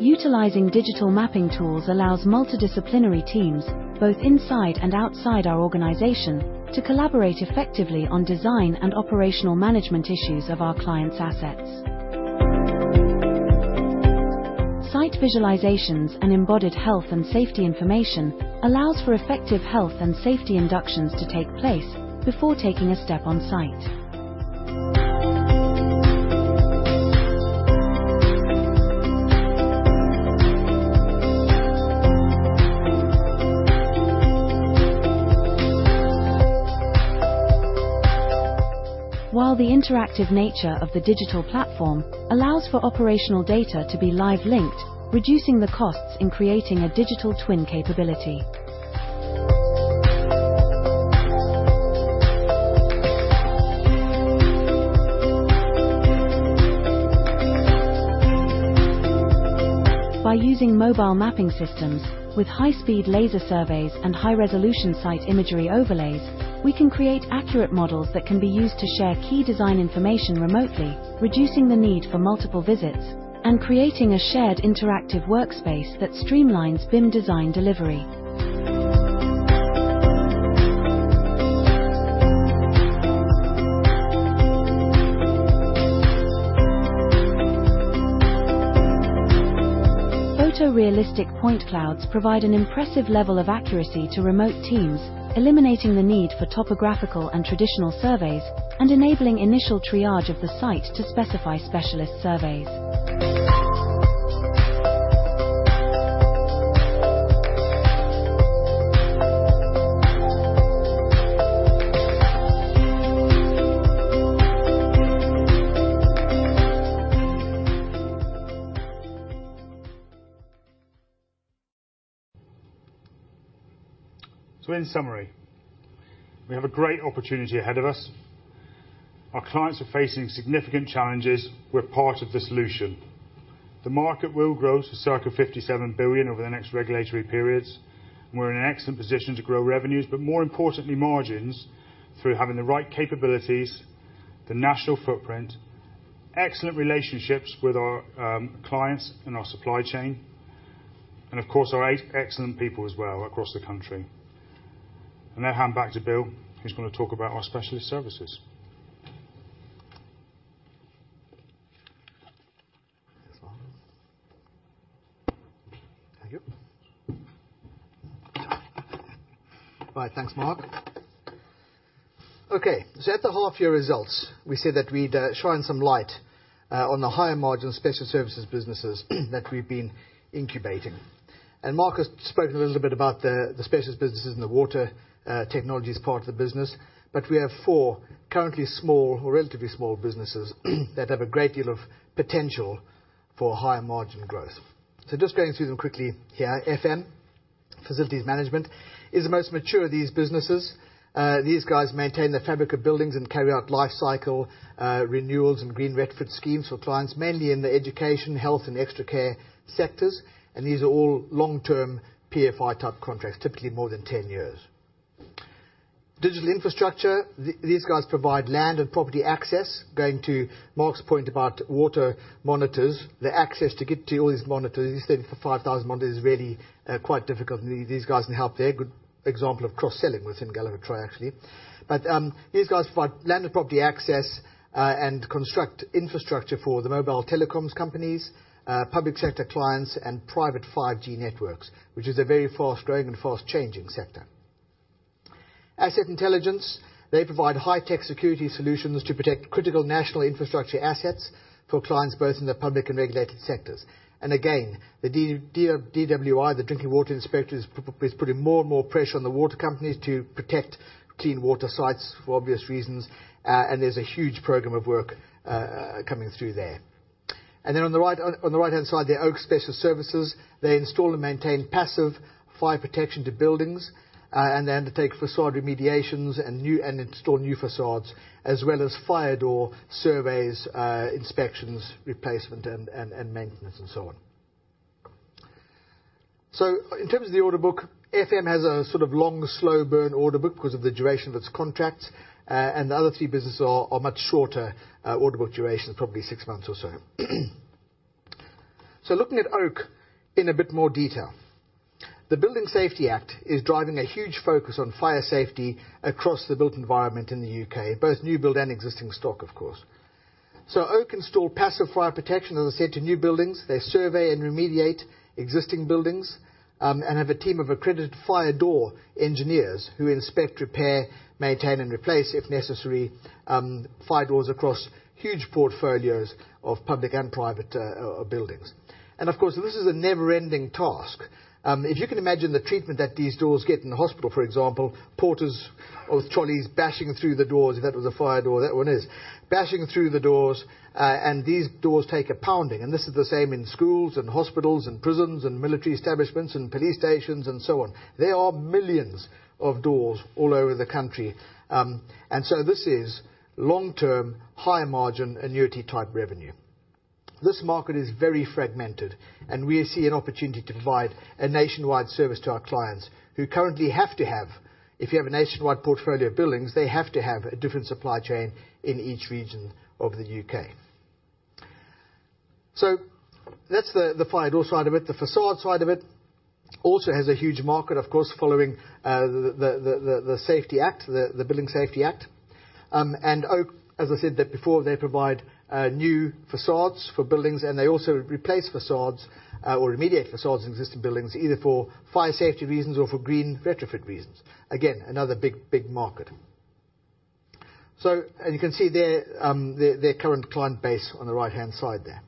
Utilizing digital mapping tools allows multidisciplinary teams, both inside and outside our organization, to collaborate effectively on design and operational management issues of our clients' assets. Site visualizations and embodied health and safety information allows for effective health and safety inductions to take place before taking a step on site. While the interactive nature of the digital platform allows for operational data to be live linked, reducing the costs in creating a digital twin capability. By using mobile mapping systems with high-speed laser surveys and high-resolution site imagery overlays, we can create accurate models that can be used to share key design information remotely, reducing the need for multiple visits, and creating a shared interactive workspace that streamlines BIM design delivery. Photorealistic point clouds provide an impressive level of accuracy to remote teams, eliminating the need for topographical and traditional surveys, and enabling initial triage of the site to specify specialist surveys. So in summary, we have a great opportunity ahead of us. Our clients are facing significant challenges. We're part of the solution. The market will grow to circa 57 billion over the next regulatory periods. We're in an excellent position to grow revenues, but more importantly, margins, through having the right capabilities, the national footprint, excellent relationships with our clients and our supply chain, and of course, our excellent people as well, across the country. And now hand back to Bill, who's going to talk about our specialist services. Thank you. Right, thanks, Mark. Okay, so at the half year results, we said that we'd shine some light on the higher margin special services businesses that we've been incubating. And Mark has spoken a little bit about the specialist businesses in the water technologies part of the business, but we have four currently small or relatively small businesses that have a great deal of potential for higher margin growth. So just going through them quickly here. FM, Facilities Management, is the most mature of these businesses. These guys maintain the fabric of buildings and carry out life cycle renewals and green retrofit schemes for clients, mainly in the education, health, and extra care sectors, and these are all long-term PFI type contracts, typically more than 10 years. Digital infrastructure, these guys provide land and property access, going to Mark's point about water monitors. The access to get to all these monitors, instead of 5,000 monitors, is really quite difficult, and these guys can help there. Good example of cross-selling within Galliford Try, actually. But these guys provide land and property access and construct infrastructure for the mobile telecoms companies, public sector clients, and private 5G networks, which is a very fast-growing and fast changing sector. Asset intelligence, they provide high-tech security solutions to protect critical national infrastructure assets for clients, both in the public and regulated sectors. And again, the DWI, the Drinking Water Inspectorate, is putting more and more pressure on the water companies to protect clean water sites for obvious reasons, and there's a huge program of work coming through there. And then on the right, on the right-hand side, the Oak Specialist Services, they install and maintain passive fire protection to buildings, and they undertake facade remediations and new and install new facades, as well as fire door surveys, inspections, replacement, and maintenance, and so on. So in terms of the order book, FM has a sort of long, slow burn order book because of the duration of its contracts, and the other two businesses are much shorter order book durations, probably six months or so. So looking at Oak in a bit more detail, the Building Safety Act is driving a huge focus on fire safety across the built environment in the U.K., both new build and existing stock, of course. So Oak install passive fire protection, as I said, to new buildings. They survey and remediate existing buildings, and have a team of accredited fire door engineers who inspect, repair, maintain, and replace, if necessary, fire doors across huge portfolios of public and private buildings. Of course, this is a never-ending task. If you can imagine the treatment that these doors get in the hospital, for example, porters or trolleys bashing through the doors, if that was a fire door, that one is, bashing through the doors, and these doors take a pounding. This is the same in schools, and hospitals, and prisons, and military establishments, and police stations, and so on. There are millions of doors all over the country. So this is long-term, high-margin, annuity-type revenue. This market is very fragmented, and we see an opportunity to provide a nationwide service to our clients who currently have to have-- If you have a nationwide portfolio of buildings, they have to have a different supply chain in each region of the U.K. So that's the fire door side of it. The facade side of it also has a huge market, of course, following the safety act, the Building Safety Act. And Oak, as I said, that before they provide new facades for buildings, and they also replace facades or remediate facades in existing buildings, either for fire safety reasons or for green retrofit reasons. Again, another big, big market. And you can see their current client base on the right-hand side there.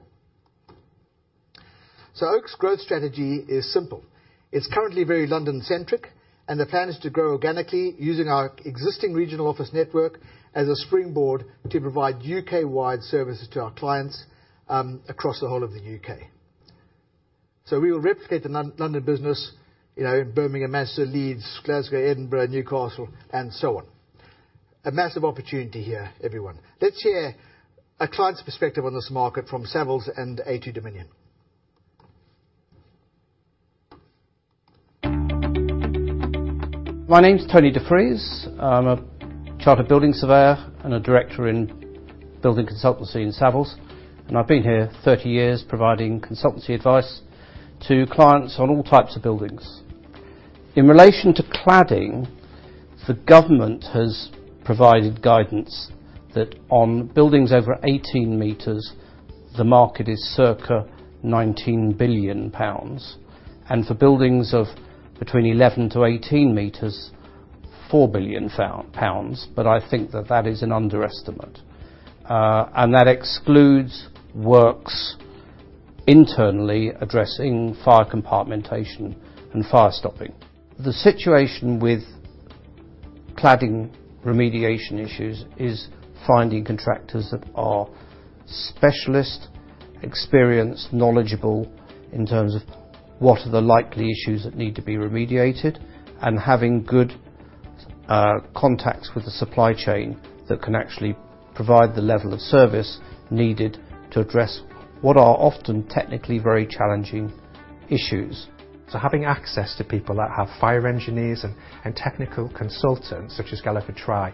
So Oak's growth strategy is simple. It's currently very London-centric, and the plan is to grow organically using our existing regional office network as a springboard to provide U.K.-wide services to our clients, across the whole of the U.K. So we will replicate the London business, you know, in Birmingham, Manchester, Leeds, Glasgow, Edinburgh, Newcastle, and so on. A massive opportunity here, everyone. Let's hear a client's perspective on this market from Savills and A2Dominion. My name is Tony Defries. I'm a chartered building surveyor and a director in building consultancy in Savills, and I've been here 30 years, providing consultancy advice to clients on all types of buildings. In relation to cladding, the government has provided guidance that on buildings over 18 m, the market is circa 19 billion pounds, and for buildings of between 11 m-18 m, 4 billion pounds. But I think that that is an underestimate. And that excludes works internally, addressing fire compartmentation and fire stopping. The situation with cladding remediation issues is finding contractors that are specialist, experienced, knowledgeable in terms of what are the likely issues that need to be remediated, and having good contacts with the supply chain that can actually provide the level of service needed to address what are often technically very challenging issues. So having access to people that have fire engineers and technical consultants, such as Galliford Try,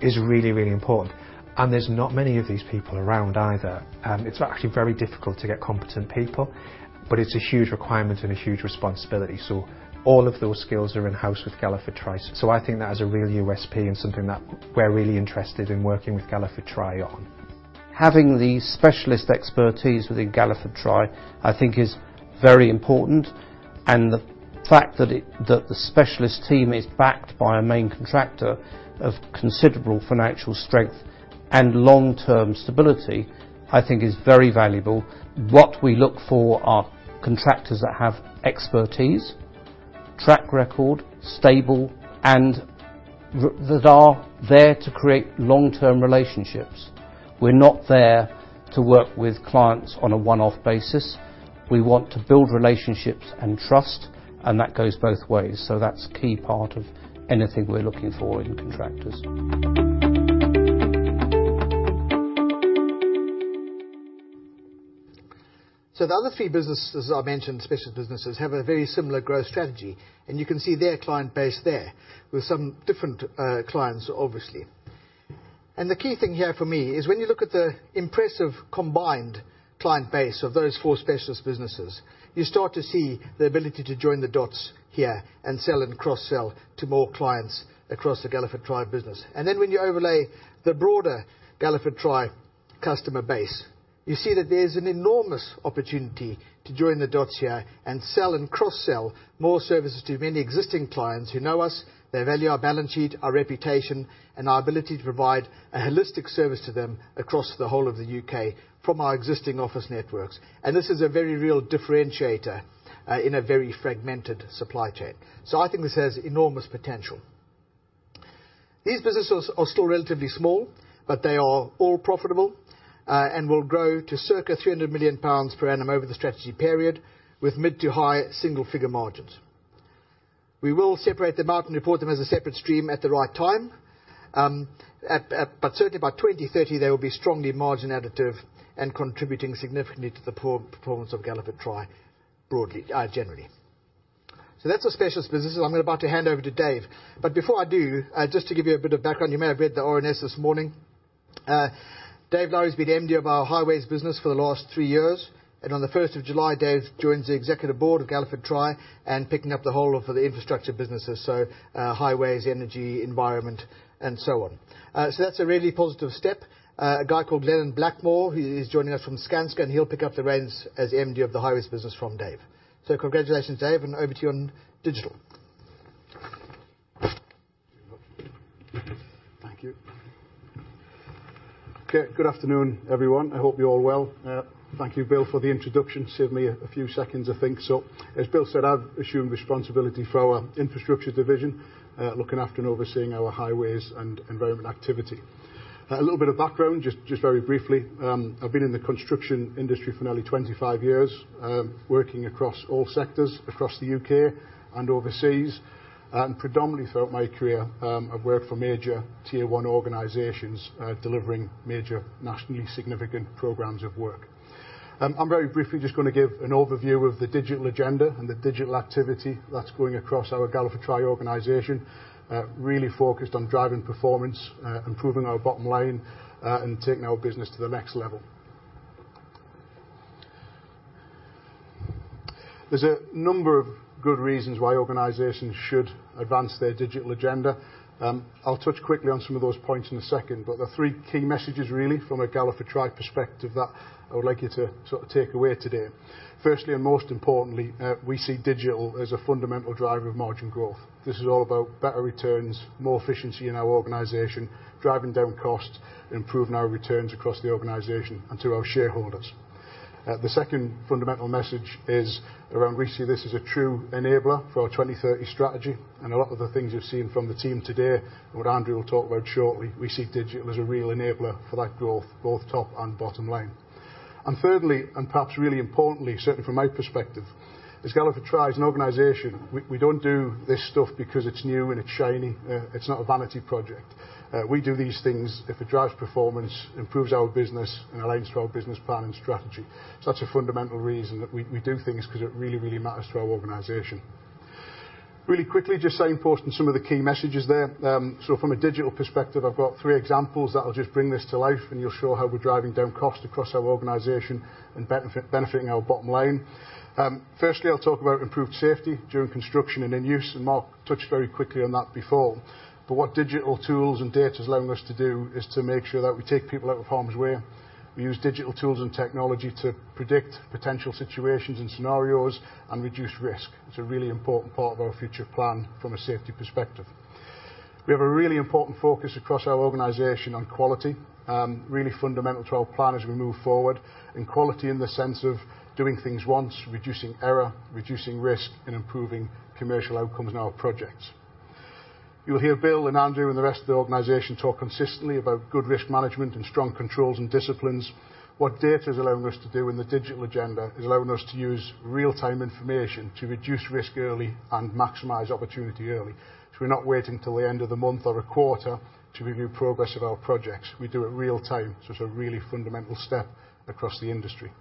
is really, really important, and there's not many of these people around either. It's actually very difficult to get competent people, but it's a huge requirement and a huge responsibility, so all of those skills are in-house with Galliford Try. So I think that is a real USP and something that we're really interested in working with Galliford Try on. Having the specialist expertise within Galliford Try, I think is very important, and the fact that the specialist team is backed by a main contractor of considerable financial strength and long-term stability, I think is very valuable. What we look for are contractors that have expertise, track record, stable, and that are there to create long-term relationships. We're not there to work with clients on a one-off basis. We want to build relationships and trust, and that goes both ways. So that's a key part of anything we're looking for in contractors. So the other three businesses I mentioned, specialist businesses, have a very similar growth strategy, and you can see their client base there with some different, clients, obviously. And the key thing here for me is when you look at the impressive combined client base of those four specialist businesses, you start to see the ability to join the dots here and sell and cross-sell to more clients across the Galliford Try business. And then, when you overlay the broader Galliford Try customer base, you see that there's an enormous opportunity to join the dots here and sell and cross-sell more services to many existing clients who know us, they value our balance sheet, our reputation, and our ability to provide a holistic service to them across the whole of the UK from our existing office networks. This is a very real differentiator in a very fragmented supply chain. So I think this has enormous potential. These businesses are still relatively small, but they are all profitable and will grow to circa 300 million pounds per annum over the strategy period, with mid- to high-single-figure margins. We will separate them out and report them as a separate stream at the right time. But certainly by 2030, they will be strongly margin additive and contributing significantly to the performance of Galliford Try, broadly, generally. So that's the specialist business, and I'm about to hand over to Dave. But before I do, just to give you a bit of background, you may have read the RNS this morning. Dave Lowery's been MD of our highways business for the last three years, and on the first of July, Dave joins the executive board of Galliford Try and picking up the whole of the infrastructure businesses, so, highways, energy, environment, and so on. So that's a really positive step. A guy called Glenn Blackmore, he is joining us from Skanska, and he'll pick up the reins as MD of the highways business from Dave. So congratulations, Dave, and over to you on digital. Thank you. Okay, good afternoon, everyone. I hope you're all well. Thank you, Bill, for the introduction. Saved me a few seconds of think so. As Bill said, I've assumed responsibility for our infrastructure division, looking after and overseeing our highways and environment activity. A little bit of background, just, just very briefly. I've been in the construction industry for nearly 25 years, working across all sectors across the U.K. and overseas, and predominantly throughout my career, I've worked for major Tier One organizations, delivering major nationally significant programs of work. I'm very briefly just gonna give an overview of the digital agenda and the digital activity that's going across our Galliford Try organization, really focused on driving performance, improving our bottom line, and taking our business to the next level. There's a number of good reasons why organizations should advance their digital agenda. I'll touch quickly on some of those points in a second, but there are three key messages really from a Galliford Try perspective that I would like you to sort of take away today. Firstly, and most importantly, we see digital as a fundamental driver of margin growth. This is all about better returns, more efficiency in our organization, driving down costs, improving our returns across the organization and to our shareholders. The second fundamental message is around we see this as a true enabler for our 2030 strategy, and a lot of the things you've seen from the team today, and what Andrew will talk about shortly, we see digital as a real enabler for that growth, both top and bottom line. And thirdly, and perhaps really importantly, certainly from my perspective, as Galliford Try as an organization, we don't do this stuff because it's new and it's shiny. It's not a vanity project. We do these things if it drives performance, improves our business, and aligns to our business plan and strategy. So that's a fundamental reason that we do things, 'cause it really, really matters to our organization. Really quickly, just saying, pausing on some of the key messages there. So from a digital perspective, I've got three examples that will just bring this to life, and you'll show how we're driving down costs across our organization and benefiting our bottom line. Firstly, I'll talk about improved safety during construction and in use, and Mark touched very quickly on that before. But what digital tools and data is allowing us to do is to make sure that we take people out of harm's way. We use digital tools and technology to predict potential situations and scenarios and reduce risk. It's a really important part of our future plan from a safety perspective. We have a really important focus across our organization on quality, really fundamental to our plan as we move forward, and quality in the sense of doing things once, reducing error, reducing risk, and improving commercial outcomes in our projects. You'll hear Bill and Andrew and the rest of the organization talk consistently about good risk management and strong controls and disciplines. What data is allowing us to do in the digital agenda is allowing us to use real-time information to reduce risk early and maximize opportunity early. So we're not waiting till the end of the month or a quarter to review progress of our projects. We do it real time, so it's a really fundamental step across the industry.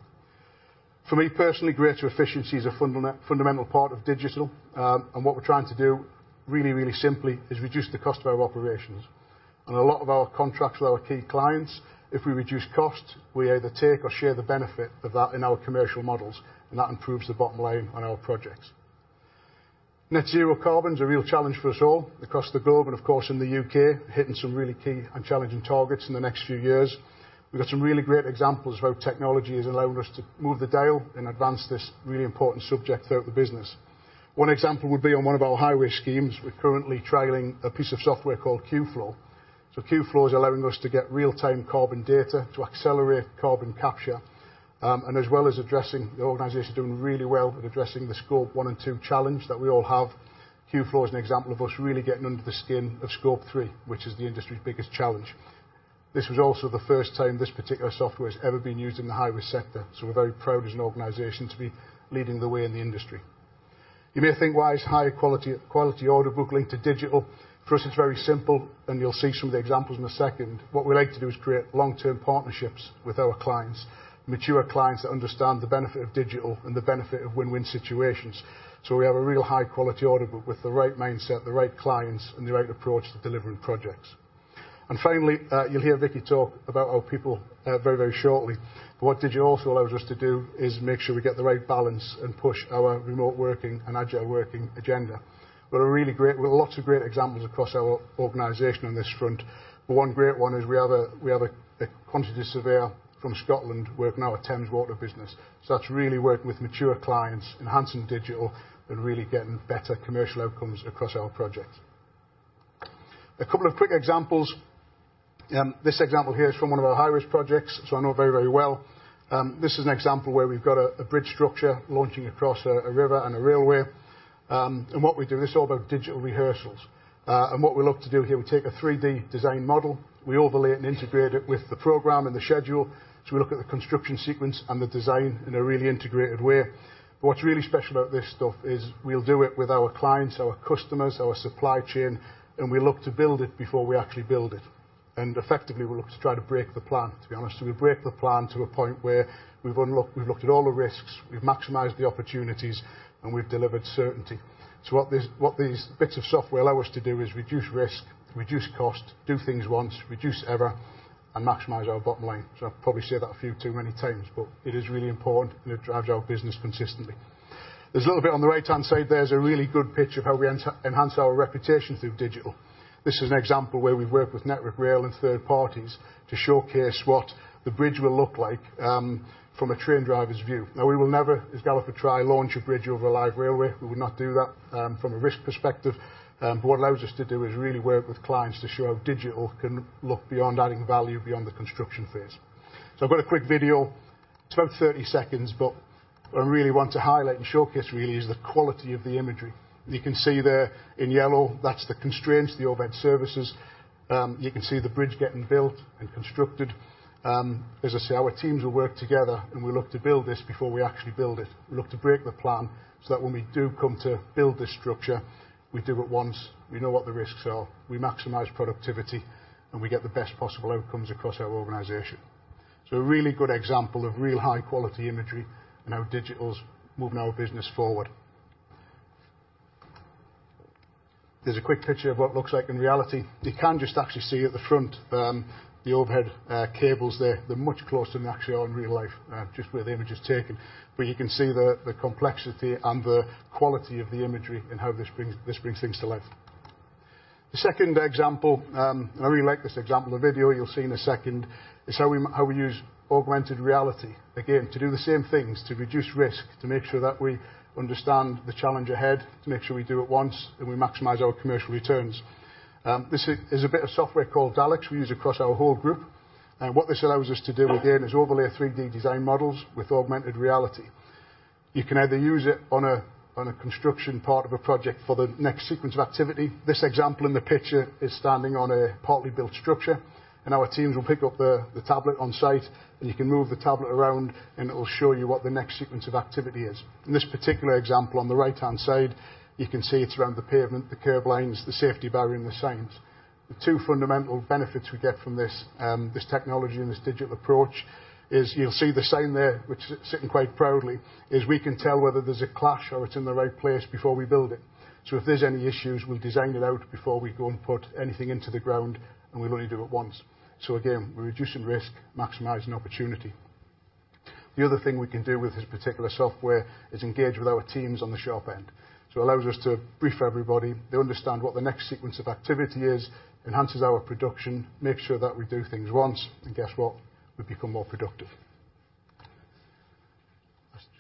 For me personally, greater efficiency is a fundamental part of digital, and what we're trying to do really, really simply is reduce the cost of our operations. On a lot of our contracts with our key clients, if we reduce cost, we either take or share the benefit of that in our commercial models, and that improves the bottom line on our projects. Net Zero Carbon is a real challenge for us all across the globe, and of course, in the UK, hitting some really key and challenging targets in the next few years. We've got some really great examples of how technology is allowing us to move the dial and advance this really important subject throughout the business. One example would be on one of our highway schemes, we're currently trialing a piece of software called Qflow. So Qflow is allowing us to get real-time carbon data to accelerate carbon capture, and as well as addressing... The organization is doing really well at addressing the Scope One and Two challenge that we all have. Qflow is an example of us really getting under the skin of Scope Three, which is the industry's biggest challenge. This was also the first time this particular software has ever been used in the highway sector, so we're very proud as an organization to be leading the way in the industry. You may think, why is higher quality, quality order book linked to digital? For us, it's very simple, and you'll see some of the examples in a second. What we like to do is create long-term partnerships with our clients, mature clients that understand the benefit of digital and the benefit of win-win situations. So we have a real high-quality order book with the right mindset, the right clients, and the right approach to delivering projects. And finally, you'll hear Vikki talk about our people, very, very shortly. But what digital also allows us to do is make sure we get the right balance and push our remote working and agile working agenda. We're really great. We've got lots of great examples across our organization on this front, but one great one is we have a quantity surveyor from Scotland working our Thames Water business. So that's really working with mature clients, enhancing digital, and really getting better commercial outcomes across our projects. A couple of quick examples. This example here is from one of our highways projects, so I know it very, very well. This is an example where we've got a bridge structure launching across a river and a railway. And what we do, it's all about digital rehearsals. And what we look to do here, we take a 3D design model, we overlay it and integrate it with the program and the schedule. So we look at the construction sequence and the design in a really integrated way. But what's really special about this stuff is we'll do it with our clients, our customers, our supply chain, and we look to build it before we actually build it. Effectively, we look to try to break the plan, to be honest. We break the plan to a point where we've looked at all the risks, we've maximized the opportunities, and we've delivered certainty. What these, what these bits of software allow us to do is reduce risk, reduce cost, do things once, reduce error, and maximize our bottom line. I'll probably say that a few too many times, but it is really important, and it drives our business consistently. There's a little bit on the right-hand side there, is a really good picture of how we enhance our reputation through digital. This is an example where we've worked with Network Rail and third parties to showcase what the bridge will look like, from a train driver's view. Now, we will never, as Galliford Try, launch a bridge over a live railway. We would not do that from a risk perspective. But what allows us to do is really work with clients to show how digital can look beyond adding value beyond the construction phase. So I've got a quick video, it's about 30 seconds, but I really want to highlight and showcase really is the quality of the imagery. You can see there in yellow, that's the constraints, the overhead services. You can see the bridge getting built and constructed. As I say, our teams will work together, and we look to build this before we actually build it. We look to break the plan, so that when we do come to build this structure, we do it once, we know what the risks are, we maximize productivity, and we get the best possible outcomes across our organization. So a really good example of real high-quality imagery and how digital's moving our business forward. There's a quick picture of what it looks like in reality. You can just actually see at the front, the overhead, cables there. They're much closer than they actually are in real life, just where the image is taken. But you can see the, the complexity and the quality of the imagery and how this brings, this brings things to life. The second example, I really like this example. The video you'll see in a second, is how we, how we use augmented reality. Again, to do the same things, to reduce risk, to make sure that we understand the challenge ahead, to make sure we do it once, and we maximize our commercial returns. This is a bit of software called Dalux we use across our whole group, and what this allows us to do again is overlay 3D design models with augmented reality. You can either use it on a construction part of a project for the next sequence of activity. This example in the picture is standing on a partly built structure, and our teams will pick up the tablet on site, and you can move the tablet around, and it will show you what the next sequence of activity is. In this particular example, on the right-hand side, you can see it's around the pavement, the curb lines, the safety barrier, and the signs. The two fundamental benefits we get from this, this technology and this digital approach is you'll see the sign there, which is sitting quite proudly, is we can tell whether there's a clash or it's in the right place before we build it. So if there's any issues, we design it out before we go and put anything into the ground, and we only do it once. So again, we're reducing risk, maximizing opportunity. The other thing we can do with this particular software is engage with our teams on the sharp end. So it allows us to brief everybody, they understand what the next sequence of activity is, enhances our production, makes sure that we do things once, and guess what? We become more productive.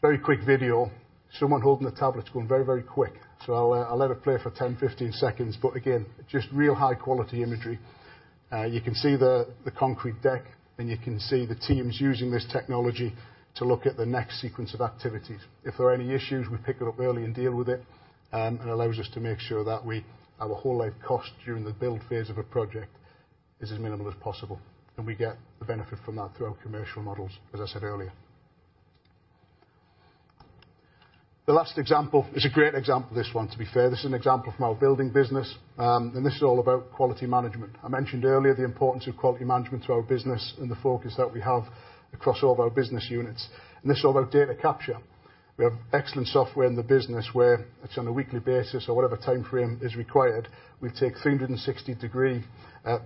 Very quick video. Someone holding the tablet is going very, very quick, so I'll let it play for 10, 15 seconds, but again, just real high-quality imagery. You can see the concrete deck, and you can see the teams using this technology to look at the next sequence of activities. If there are any issues, we pick it up early and deal with it, and allows us to make sure that we - our whole life cost during the build phase of a project is as minimal as possible, and we get the benefit from that through our commercial models, as I said earlier. The last example is a great example, this one, to be fair. This is an example from our building business, and this is all about quality management. I mentioned earlier the importance of quality management to our business and the focus that we have across all of our business units, and this is all about data capture. We have excellent software in the business where it's on a weekly basis or whatever time frame is required, we take 360-degree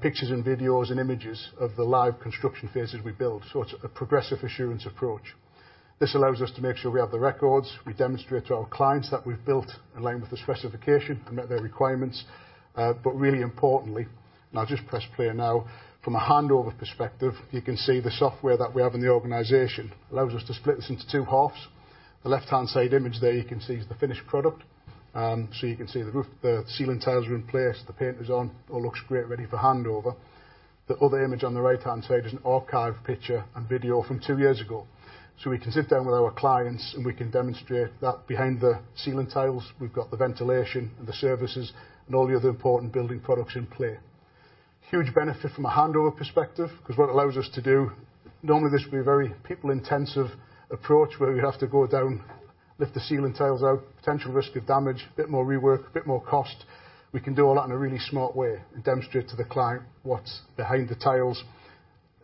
pictures and videos, and images of the live construction phases we build. So it's a progressive assurance approach. This allows us to make sure we have the records, we demonstrate to our clients that we've built in line with the specification to meet their requirements, but really importantly, and I'll just press play now. From a handover perspective, you can see the software that we have in the organization allows us to split this into two halves. The left-hand side image there you can see is the finished product. So you can see the roof, the ceiling tiles are in place, the paint is on, all looks great, ready for handover. The other image on the right-hand side is an archive picture and video from two years ago. So we can sit down with our clients, and we can demonstrate that behind the ceiling tiles, we've got the ventilation and the services and all the other important building products in play. Huge benefit from a handover perspective, because what it allows us to do, normally, this would be a very people-intensive approach, where we have to go down, lift the ceiling tiles out, potential risk of damage, bit more rework, bit more cost. We can do all that in a really smart way and demonstrate to the client what's behind the tiles.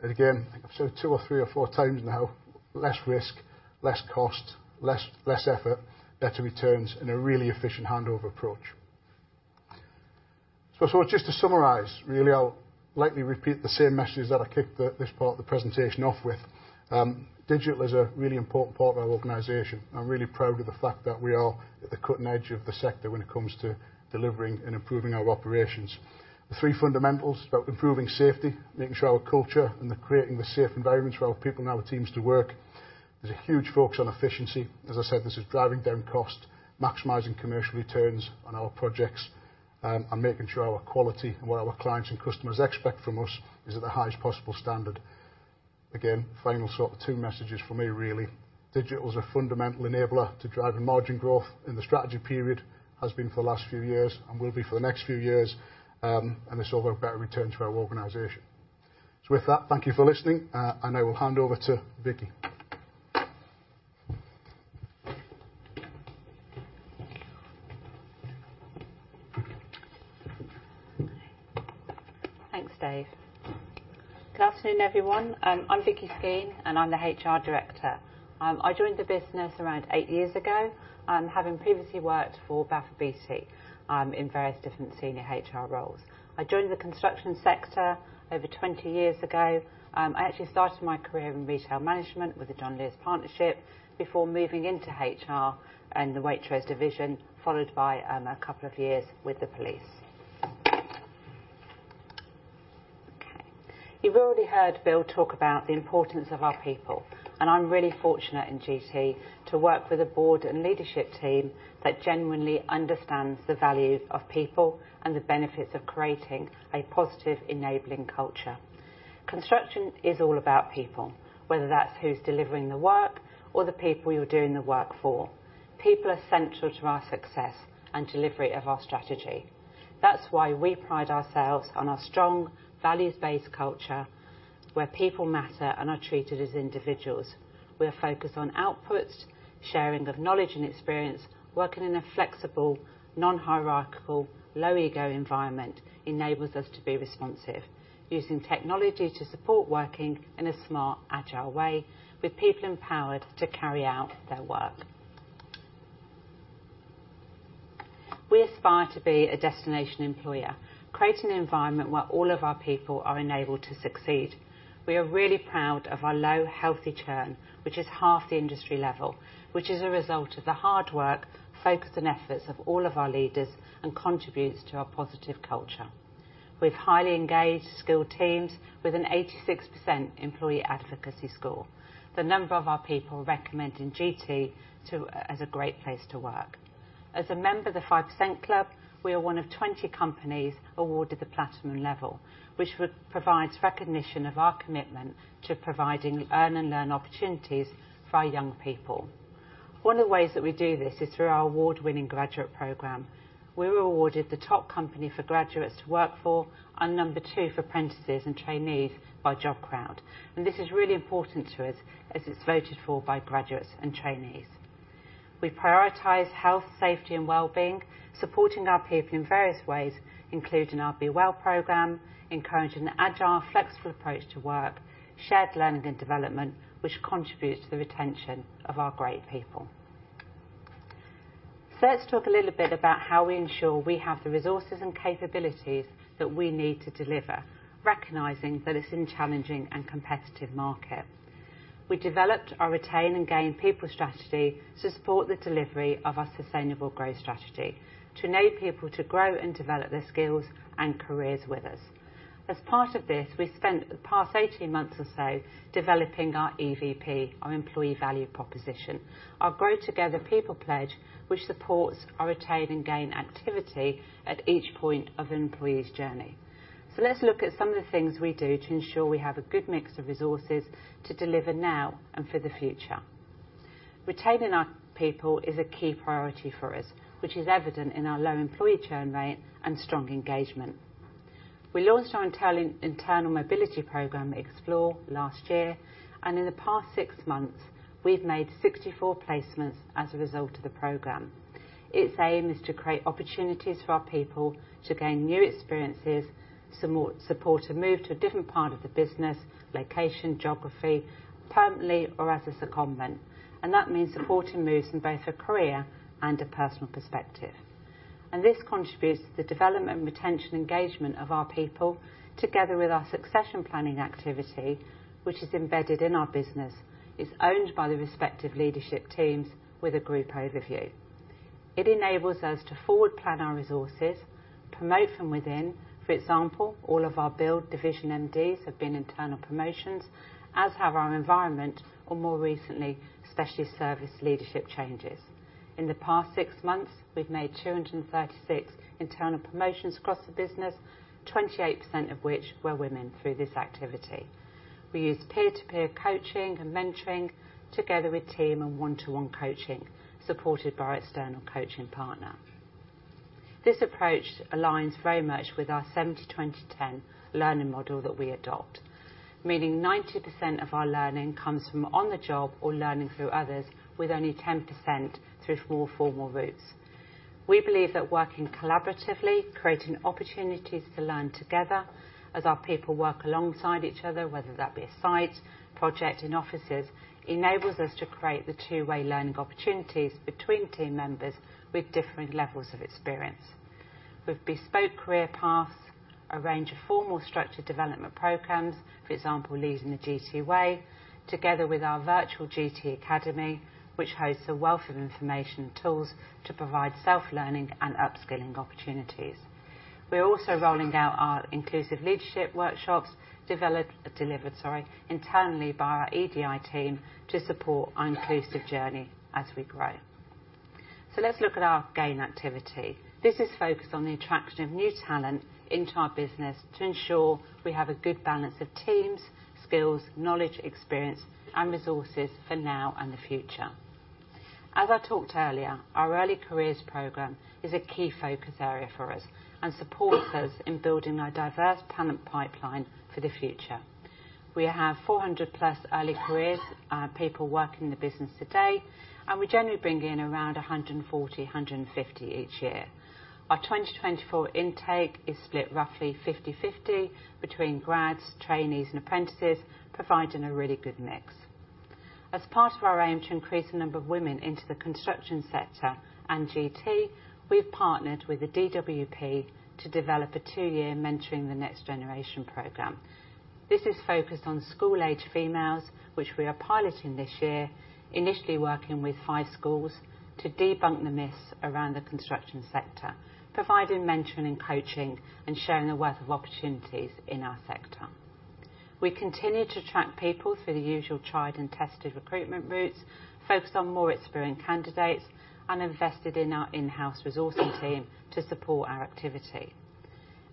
Again, so two or three or four times now, less risk, less cost, less effort, better returns, and a really efficient handover approach. So just to summarize, really, I'll likely repeat the same message that I kicked this part of the presentation off with. Digital is a really important part of our organization. I'm really proud of the fact that we are at the cutting edge of the sector when it comes to delivering and improving our operations. The three fundamentals, improving safety, making sure our culture, and the creating the safe environments for our people and our teams to work. There's a huge focus on efficiency. As I said, this is driving down cost, maximizing commercial returns on our projects, and making sure our quality and what our clients and customers expect from us is at the highest possible standard. Again, final sort of two messages from me, really. Digital is a fundamental enabler to driving margin growth in the strategy period, has been for the last few years and will be for the next few years, and this will have a better return to our organization. So with that, thank you for listening, and I will hand over to Vikki. Thanks, Dave. Good afternoon, everyone. I'm Vikki Skene, and I'm the HR Director. I joined the business around 8 years ago, having previously worked for Balfour Beatty, in various different senior HR roles. I joined the construction sector over 20 years ago. I actually started my career in retail management with the John Lewis Partnership, before moving into HR and the Waitrose division, followed by, a couple of years with the police. Okay. You've already heard Bill talk about the importance of our people, and I'm really fortunate in GT to work with a board and leadership team that genuinely understands the value of people and the benefits of creating a positive, enabling culture. Construction is all about people, whether that's who's delivering the work or the people you're doing the work for. People are central to our success and delivery of our strategy. That's why we pride ourselves on our strong, values-based culture, where people matter and are treated as individuals. We are focused on outputs, sharing of knowledge and experience. Working in a flexible, non-hierarchical, low ego environment enables us to be responsive, using technology to support working in a smart, agile way with people empowered to carry out their work. We aspire to be a destination employer, creating an environment where all of our people are enabled to succeed. We are really proud of our low, healthy churn, which is half the industry level, which is a result of the hard work, focus, and efforts of all of our leaders and contributes to our positive culture. We've highly engaged, skilled teams with an 86% employee advocacy score. The number of our people recommending GT to as a great place to work. As a member of the 5% Club, we are one of 20 companies awarded the platinum level, which provides recognition of our commitment to providing earn-and-learn opportunities for our young people. One of the ways that we do this is through our award-winning graduate program. We were awarded the top company for graduates to work for and number two for apprentices and trainees by JobCrowd. This is really important to us as it's voted for by graduates and trainees. We prioritize health, safety, and well-being, supporting our people in various ways, including our Be Well program, encouraging an agile, flexible approach to work, shared learning and development, which contributes to the retention of our great people. So let's talk a little bit about how we ensure we have the resources and capabilities that we need to deliver, recognizing that it's in challenging and competitive market. We developed our retain and gain people strategy to support the delivery of our sustainable growth strategy, to enable people to grow and develop their skills and careers with us. As part of this, we spent the past 18 months or so developing our EVP, our employee value proposition, our Grow Together People pledge, which supports our retain and gain activity at each point of an employee's journey. So let's look at some of the things we do to ensure we have a good mix of resources to deliver now and for the future. Retaining our people is a key priority for us, which is evident in our low employee churn rate and strong engagement. We launched our internal mobility program, Explore, last year, and in the past six months, we've made 64 placements as a result of the program. Its aim is to create opportunities for our people to gain new experiences, support a move to a different part of the business, location, geography, permanently or as a secondment, and that means supporting moves from both a career and a personal perspective. This contributes to the development, retention, engagement of our people together with our succession planning activity, which is embedded in our business. It's owned by the respective leadership teams with a group overview. It enables us to forward plan our resources, promote from within. For example, all of our build division MDs have been internal promotions, as have our environment or more recently, specialist service leadership changes. In the past six months, we've made 236 internal promotions across the business, 28% of which were women through this activity. We use peer-to-peer coaching and mentoring together with team and one-to-one coaching, supported by our external coaching partner. This approach aligns very much with our 70/20/10 learning model that we adopt, meaning 90% of our learning comes from on the job or learning through others, with only 10% through more formal routes. We believe that working collaboratively, creating opportunities to learn together as our people work alongside each other, whether that be a site, project, in offices, enables us to create the two-way learning opportunities between team members with different levels of experience. With bespoke career paths, a range of formal structured development programs, for example, Leading the GT Way, together with our virtual GT Academy, which hosts a wealth of information and tools to provide self-learning and upskilling opportunities. We are also rolling out our inclusive leadership workshops, delivered, sorry, internally by our EDI team to support our inclusive journey as we grow. So let's look at our gain activity. This is focused on the attraction of new talent into our business to ensure we have a good balance of teams, skills, knowledge, experience, and resources for now and the future. As I talked earlier, our Early Careers Program is a key focus area for us and supports us in building our diverse talent pipeline for the future. We have 400+ early careers people working in the business today.... We generally bring in around 140, 150 each year. Our 2024 intake is split roughly 50/50 between grads, trainees, and apprentices, providing a really good mix. As part of our aim to increase the number of women into the construction sector and GT, we've partnered with the DWP to develop a two-year Mentoring the Next Generation program. This is focused on school-aged females, which we are piloting this year, initially working with high schools to debunk the myths around the construction sector, providing mentoring and coaching, and showing the worth of opportunities in our sector. We continue to attract people through the usual tried and tested recruitment routes, focused on more experienced candidates, and invested in our in-house resourcing team to support our activity.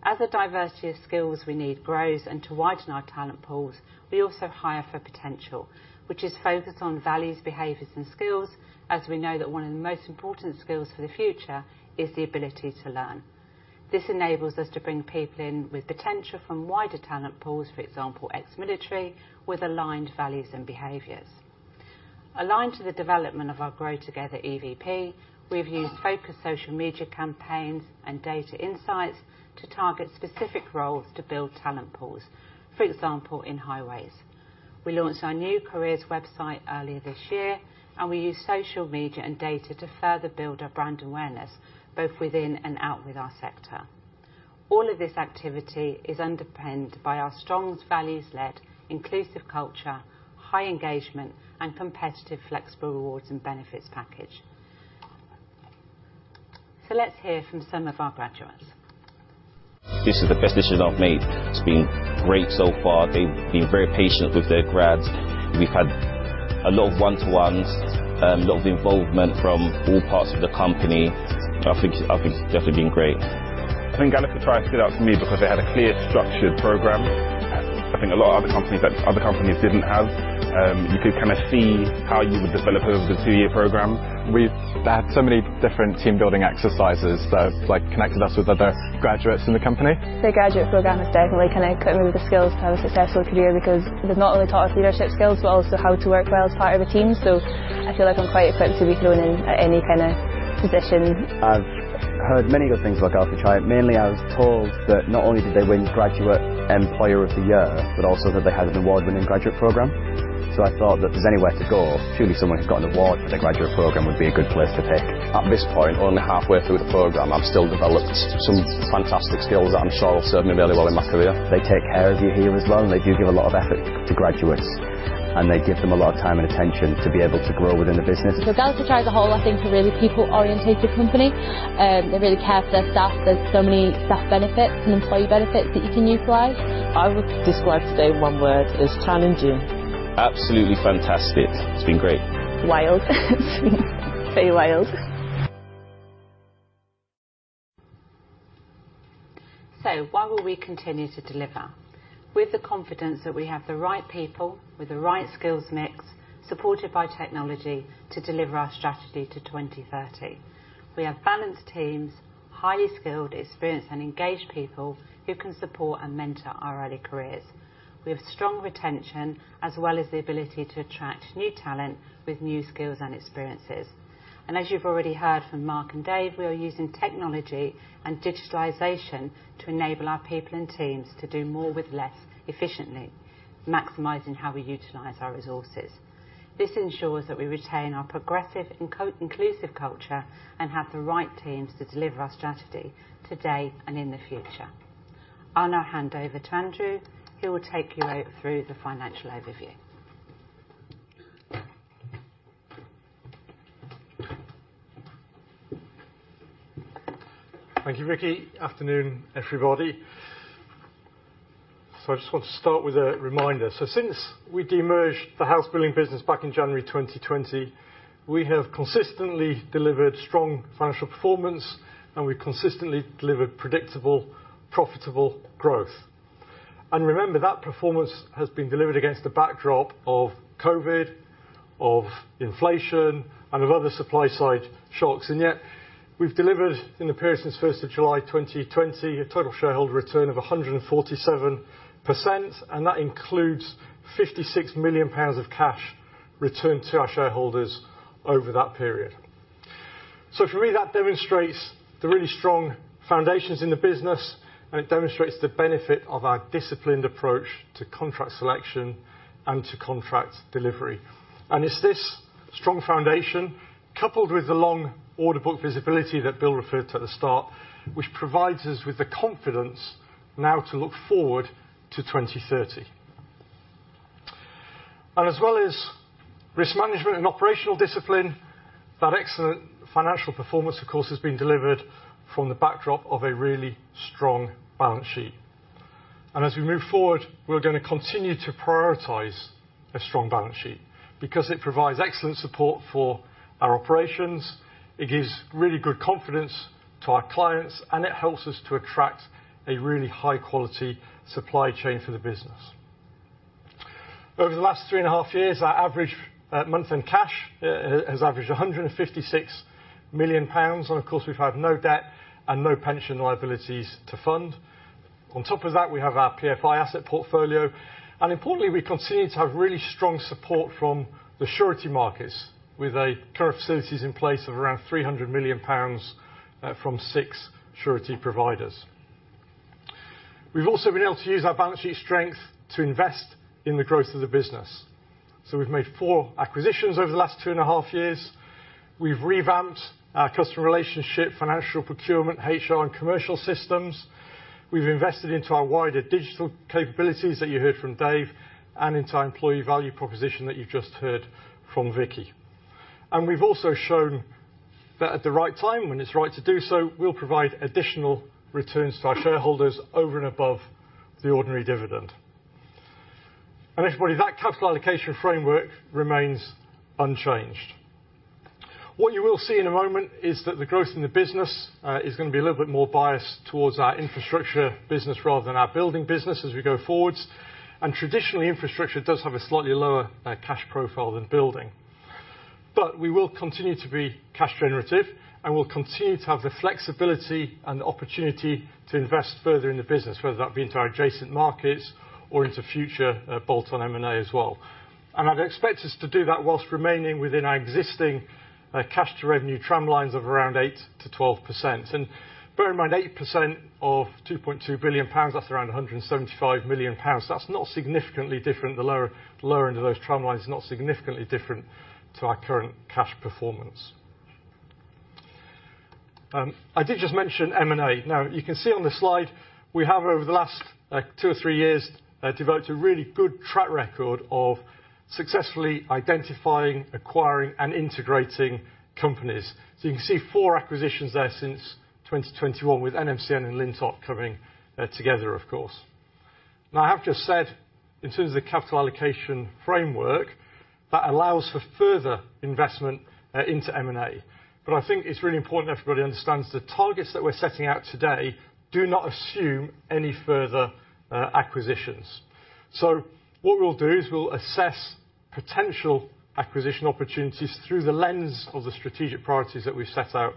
As the diversity of skills we need grows and to widen our talent pools, we also hire for potential, which is focused on values, behaviors, and skills, as we know that one of the most important skills for the future is the ability to learn. This enables us to bring people in with potential from wider talent pools, for example, ex-military, with aligned values and behaviors. Aligned to the development of our Grow Together EVP, we've used focused social media campaigns and data insights to target specific roles to build talent pools, for example, in highways. We launched our new careers website earlier this year, and we used social media and data to further build our brand awareness, both within and out with our sector. All of this activity is underpinned by our strong values-led, inclusive culture, high engagement, and competitive, flexible rewards and benefits package. Let's hear from some of our graduates. This is the best decision I've made. It's been great so far. They've been very patient with their grads. We've had a lot of one-to-ones, a lot of involvement from all parts of the company. I think, I think it's definitely been great. I think Galliford Try stood out for me because they had a clear, structured program. I think a lot of other companies that other companies didn't have. You could kind of see how you would develop over the two-year program. We've had so many different team-building exercises that, like, connected us with other graduates in the company. The graduate program has definitely kind of equipped me with the skills to have a successful career, because they've not only taught us leadership skills, but also how to work well as part of a team. So I feel like I'm quite equipped to be thrown in at any kind of position. I've heard many good things about Galliford Try. Mainly, I was told that not only did they win Graduate Employer of the Year, but also that they had an award-winning graduate program. So I thought that if there's anywhere to go, clearly someone who's got an award for their graduate program would be a good place to pick. At this point, only halfway through the program, I've still developed some fantastic skills that I'm sure will serve me really well in my career. They take care of you here as well, and they do give a lot of effort to graduates, and they give them a lot of time and attention to be able to grow within the business. Galliford Try as a whole, I think, are a really people-oriented company. They really care for their staff. There's so many staff benefits and employee benefits that you can utilize. I would describe today in one word as challenging. Absolutely fantastic. It's been great. Wild. Very wild. So why will we continue to deliver? With the confidence that we have the right people with the right skills mix, supported by technology to deliver our strategy to 2030. We have balanced teams, highly skilled, experienced, and engaged people who can support and mentor our early careers. We have strong retention, as well as the ability to attract new talent with new skills and experiences. And as you've already heard from Mark and Dave, we are using technology and digitalization to enable our people and teams to do more with less efficiently, maximizing how we utilize our resources. This ensures that we retain our progressive and co-inclusive culture and have the right teams to deliver our strategy today and in the future. I'll now hand over to Andrew, who will take you through the financial overview. Thank you, Vikki. Afternoon, everybody. So I just want to start with a reminder. So since we de-merged the housebuilding business back in January 2020, we have consistently delivered strong financial performance, and we consistently delivered predictable, profitable growth. And remember, that performance has been delivered against the backdrop of COVID, of inflation, and of other supply-side shocks. And yet, we've delivered, in the period since first of July 2020, a total shareholder return of 147%, and that includes 56 million pounds of cash returned to our shareholders over that period. So for me, that demonstrates the really strong foundations in the business, and it demonstrates the benefit of our disciplined approach to contract selection and to contract delivery. It's this strong foundation, coupled with the long order book visibility that Bill referred to at the start, which provides us with the confidence now to look forward to 2030. As well as risk management and operational discipline, that excellent financial performance, of course, has been delivered from the backdrop of a really strong balance sheet. As we move forward, we're gonna continue to prioritize a strong balance sheet, because it provides excellent support for our operations, it gives really good confidence to our clients, and it helps us to attract a really high-quality supply chain for the business. Over the last three and a half years, our average month-end cash has averaged 156 million pounds, and of course, we've had no debt and no pension liabilities to fund. On top of that, we have our PFI asset portfolio, and importantly, we continue to have really strong support from the surety markets, with current facilities in place of around 300 million pounds from 6 surety providers. We've also been able to use our balance sheet strength to invest in the growth of the business. So we've made four acquisitions over the last two and a half years. We've revamped our customer relationship, financial procurement, HR, and commercial systems. We've invested into our wider digital capabilities that you heard from Dave, and into our employee value proposition that you've just heard from Vikki. And we've also shown that at the right time, when it's right to do so, we'll provide additional returns to our shareholders over and above the ordinary dividend. And everybody, that capital allocation framework remains unchanged. What you will see in a moment is that the growth in the business is gonna be a little bit more biased towards our infrastructure business rather than our building business as we go forwards. And traditionally, infrastructure does have a slightly lower cash profile than building. But we will continue to be cash generative, and we'll continue to have the flexibility and the opportunity to invest further in the business, whether that be into our adjacent markets or into future bolt-on M&A as well. And I'd expect us to do that whilst remaining within our existing cash to revenue trend lines of around 8%-12%. And bear in mind, 8% of 2.2 billion pounds, that's around 175 million pounds. That's not significantly different. The lower end of those trend lines is not significantly different to our current cash performance. I did just mention M&A. Now, you can see on the slide, we have, over the last two or three years, developed a really good track record of successfully identifying, acquiring, and integrating companies. So you can see four acquisitions there since 2021, with NMCN and Lintott coming together, of course. Now, I have just said, in terms of the capital allocation framework, that allows for further investment into M&A. But I think it's really important everybody understands the targets that we're setting out today do not assume any further acquisitions. So what we'll do is we'll assess potential acquisition opportunities through the lens of the strategic priorities that we've set out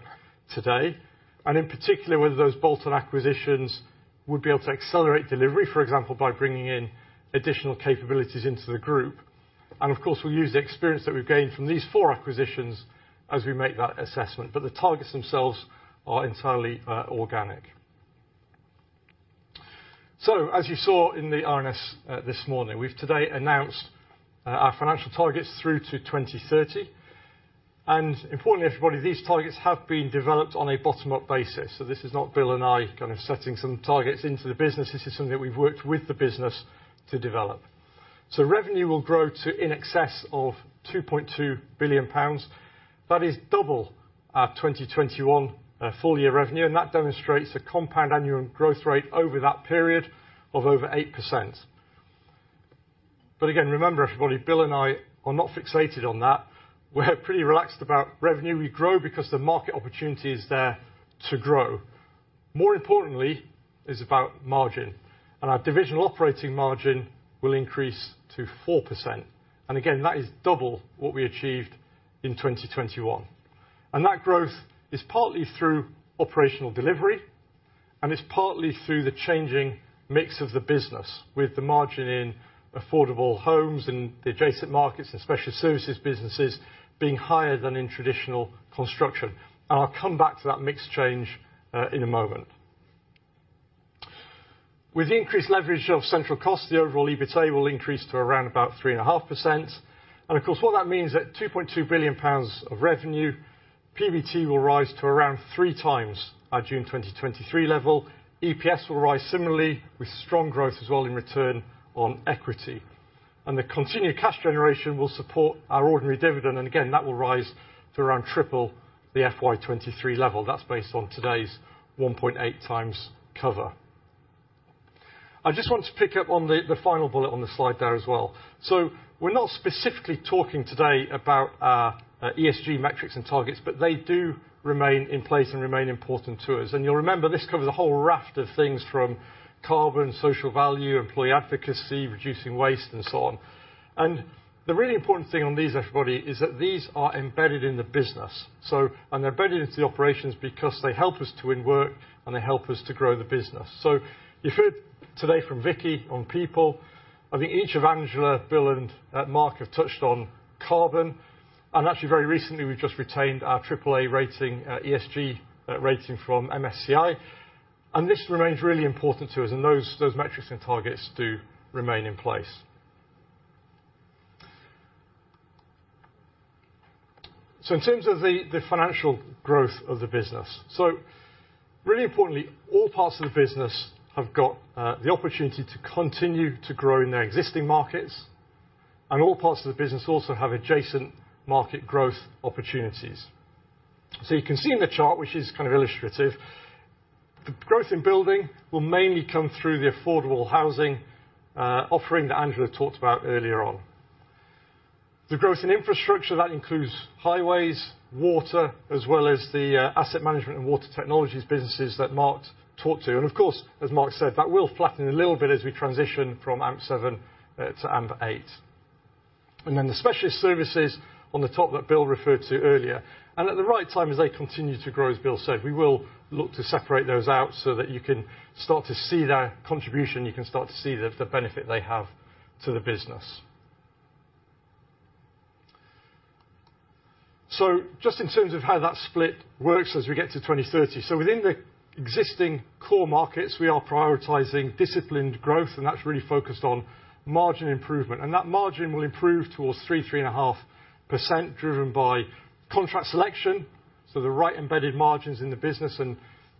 today, and in particular, whether those bolt-on acquisitions would be able to accelerate delivery, for example, by bringing in additional capabilities into the group. And of course, we'll use the experience that we've gained from these four acquisitions as we make that assessment, but the targets themselves are entirely, organic. So as you saw in the RNS, this morning, we've today announced, our financial targets through to 2030, and importantly, everybody, these targets have been developed on a bottom-up basis. So this is not Bill and I kind of setting some targets into the business. This is something that we've worked with the business to develop. So revenue will grow to in excess of 2.2 billion pounds. That is double our 2021 full year revenue, and that demonstrates a compound annual growth rate over that period of over 8%. But again, remember, everybody, Bill and I are not fixated on that. We're pretty relaxed about revenue. We grow because the market opportunity is there to grow. More importantly, is about margin, and our divisional operating margin will increase to 4%. And again, that is double what we achieved in 2021. And that growth is partly through operational delivery, and it's partly through the changing mix of the business, with the margin in affordable homes and the adjacent markets and special services businesses being higher than in traditional construction. And I'll come back to that mix change in a moment. With increased leverage of central cost, the overall EBITA will increase to around about 3.5%. Of course, what that means at 2.2 billion pounds of revenue, PBT will rise to around 3x our June 2023 level. EPS will rise similarly, with strong growth as well in return on equity. And the continued cash generation will support our ordinary dividend, and again, that will rise to around triple the FY 2023 level. That's based on today's 1.8x cover. I just want to pick up on the final bullet on the slide there as well. So we're not specifically talking today about our ESG metrics and targets, but they do remain in place and remain important to us. And you'll remember, this covers a whole raft of things from carbon, social value, employee advocacy, reducing waste, and so on. And the really important thing on these, everybody, is that these are embedded in the business. They're embedded into the operations because they help us to win work and they help us to grow the business. You heard today from Vikki on people. I think each of Angela, Bill, and Mark have touched on carbon, and actually, very recently, we've just retained our triple A rating, ESG rating from MSCI. This remains really important to us, and those, those metrics and targets do remain in place. In terms of the financial growth of the business, so really importantly, all parts of the business have got the opportunity to continue to grow in their existing markets, and all parts of the business also have adjacent market growth opportunities. So you can see in the chart, which is kind of illustrative, the growth in building will mainly come through the affordable housing offering that Angela talked about earlier on. The growth in infrastructure, that includes highways, water, as well as the asset management and water technologies businesses that Mark talked to. And of course, as Mark said, that will flatten a little bit as we transition from AMP7 to AMP8. And then the specialist services on the top that Bill referred to earlier, and at the right time, as they continue to grow, as Bill said, we will look to separate those out so that you can start to see their contribution, you can start to see the benefit they have to the business. So just in terms of how that split works as we get to 2030. So within the existing core markets, we are prioritizing disciplined growth, and that's really focused on margin improvement. And that margin will improve towards 3%-3.5%, driven by contract selection, so the right embedded margins in the business. And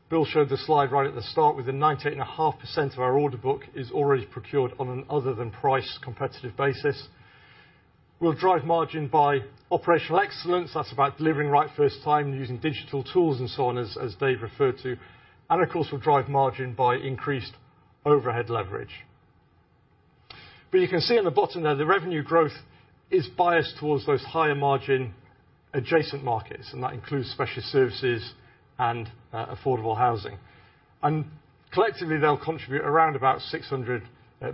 Bill showed the slide right at the start, with the 98.5% of our order book is already procured on an other than price competitive basis. We'll drive margin by operational excellence. That's about delivering right first time using digital tools and so on, as, as Dave referred to. And of course, we'll drive margin by increased overhead leverage. But you can see on the bottom there, the revenue growth is biased towards those higher margin adjacent markets, and that includes specialist services and, affordable housing. And collectively, they'll contribute around about 600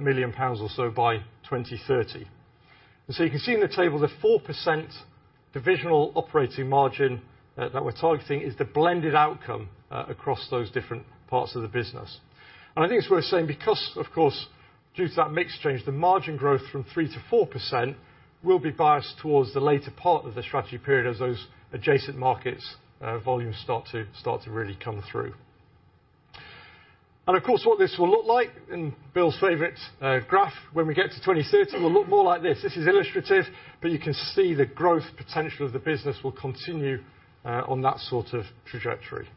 million pounds or so by 2030. You can see in the table, the 4% divisional operating margin that we're targeting is the blended outcome across those different parts of the business. I think it's worth saying, because of course, due to that mix change, the margin growth from 3%-4% will be biased towards the later part of the strategy period as those adjacent markets volumes start to really come through. Of course, what this will look like, in Bill's favorite graph, when we get to 2030, will look more like this. This is illustrative, but you can see the growth potential of the business will continue on that sort of trajectory.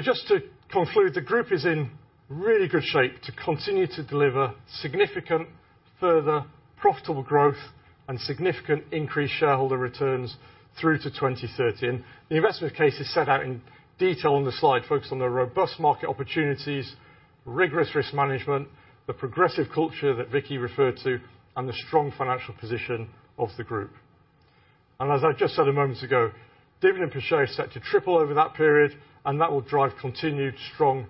Just to conclude, the group is in really good shape to continue to deliver significant further profitable growth and significant increased shareholder returns through to 2030. The investment case is set out in detail on the slide, focused on the robust market opportunities, rigorous risk management, the progressive culture that Vikki referred to, and the strong financial position of the group. As I just said a moment ago, dividend per share is set to triple over that period, and that will drive continued strong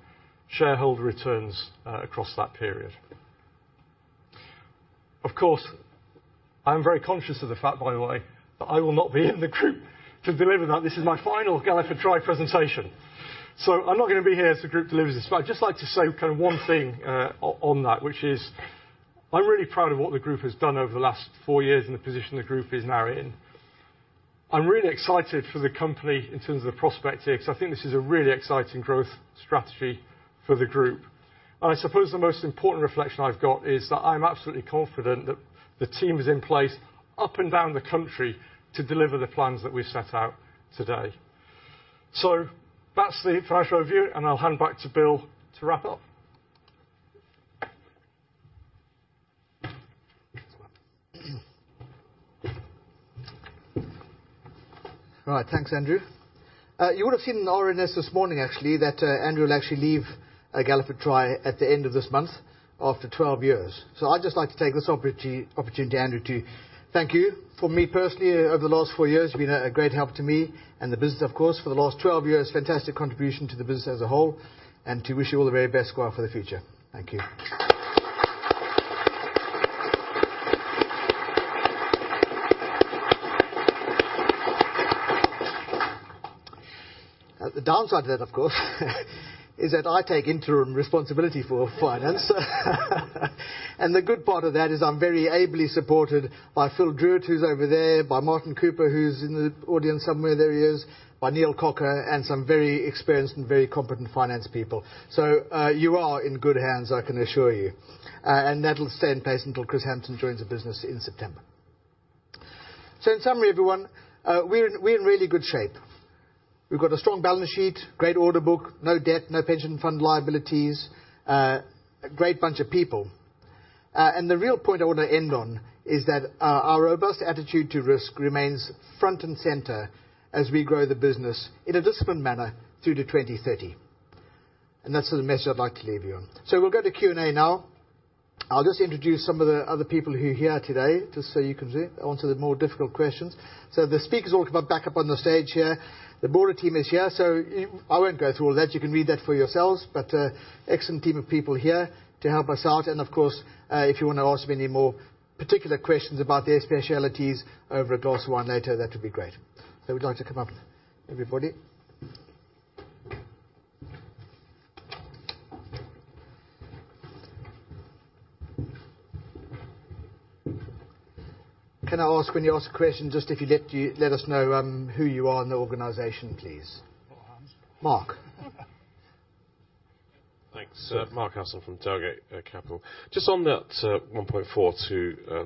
shareholder returns across that period. Of course, I'm very conscious of the fact, by the way, that I will not be in the group to deliver that. This is my final Galliford Try presentation, so I'm not gonna be here as the group delivers this. I'd just like to say kind of one thing on that, which is I'm really proud of what the group has done over the last four years and the position the group is now in. I'm really excited for the company in terms of the prospective, so I think this is a really exciting growth strategy for the group. I suppose the most important reflection I've got is that I'm absolutely confident that the team is in place up and down the country to deliver the plans that we've set out today. That's the financial review, and I'll hand back to Bill to wrap up. All right, thanks, Andrew. You would have seen in the RNS this morning, actually, that Andrew will actually leave Galliford Try at the end of this month after 12 years. So I'd just like to take this opportunity, Andrew, to thank you. For me personally, over the last 4 years, you've been a great help to me and the business, of course, for the last 12 years, fantastic contribution to the business as a whole, and to wish you all the very best for the future. Thank you. The downside to that, of course, is that I take interim responsibility for finance. The good part of that is I'm very ably supported by Phil Drew, who's over there, by Martin Cooper, who's in the audience somewhere, there he is, by Neil Cocker, and some very experienced and very competent finance people. So, you are in good hands, I can assure you, and that'll stay in place until Kris Hampson joins the business in September. So in summary, everyone, we're in, we're in really good shape. We've got a strong balance sheet, great order book, no debt, no pension fund liabilities, a great bunch of people. And the real point I want to end on is that our robust attitude to risk remains front and center as we grow the business in a disciplined manner through to 2030. And that's the message I'd like to leave you on. So we'll go to Q&A now. I'll just introduce some of the other people who are here today, just so you can see, onto the more difficult questions. So the speakers all come up back up on the stage here. The board team is here, so I won't go through all that. You can read that for yourselves, but excellent team of people here to help us out. And of course, if you want to ask me any more particular questions about their specialties over, of course, one later, that would be great. So would you like to come up, everybody? Can I ask, when you ask a question, just if you let us know who you are and the organization, please? Mark. Thanks. Mark Hassan from Target Capital. Just on that, 1.4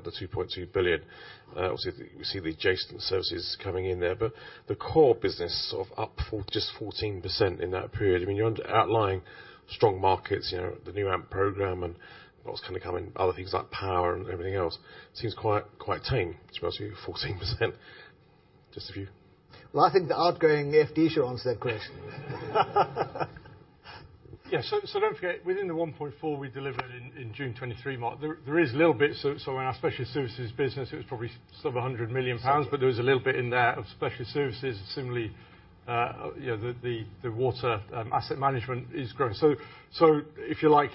billion-2.2 billion, obviously, we see the adjacent services coming in there, but the core business of up for just 14% in that period, I mean, you're underlying strong markets, you know, the new AMP program and what's gonna come in, other things like power and everything else, seems quite, quite tame to be 14%. Just a few. Well, I think the outgoing FD should answer that question. Yeah, so don't forget, within the 1.4 we delivered in June 2023, Mark, there is a little bit, so in our specialist services business, it was probably sort of 100 million pounds, but there was a little bit in there of specialist services. Similarly, you know, the water asset management is growing. So if you like,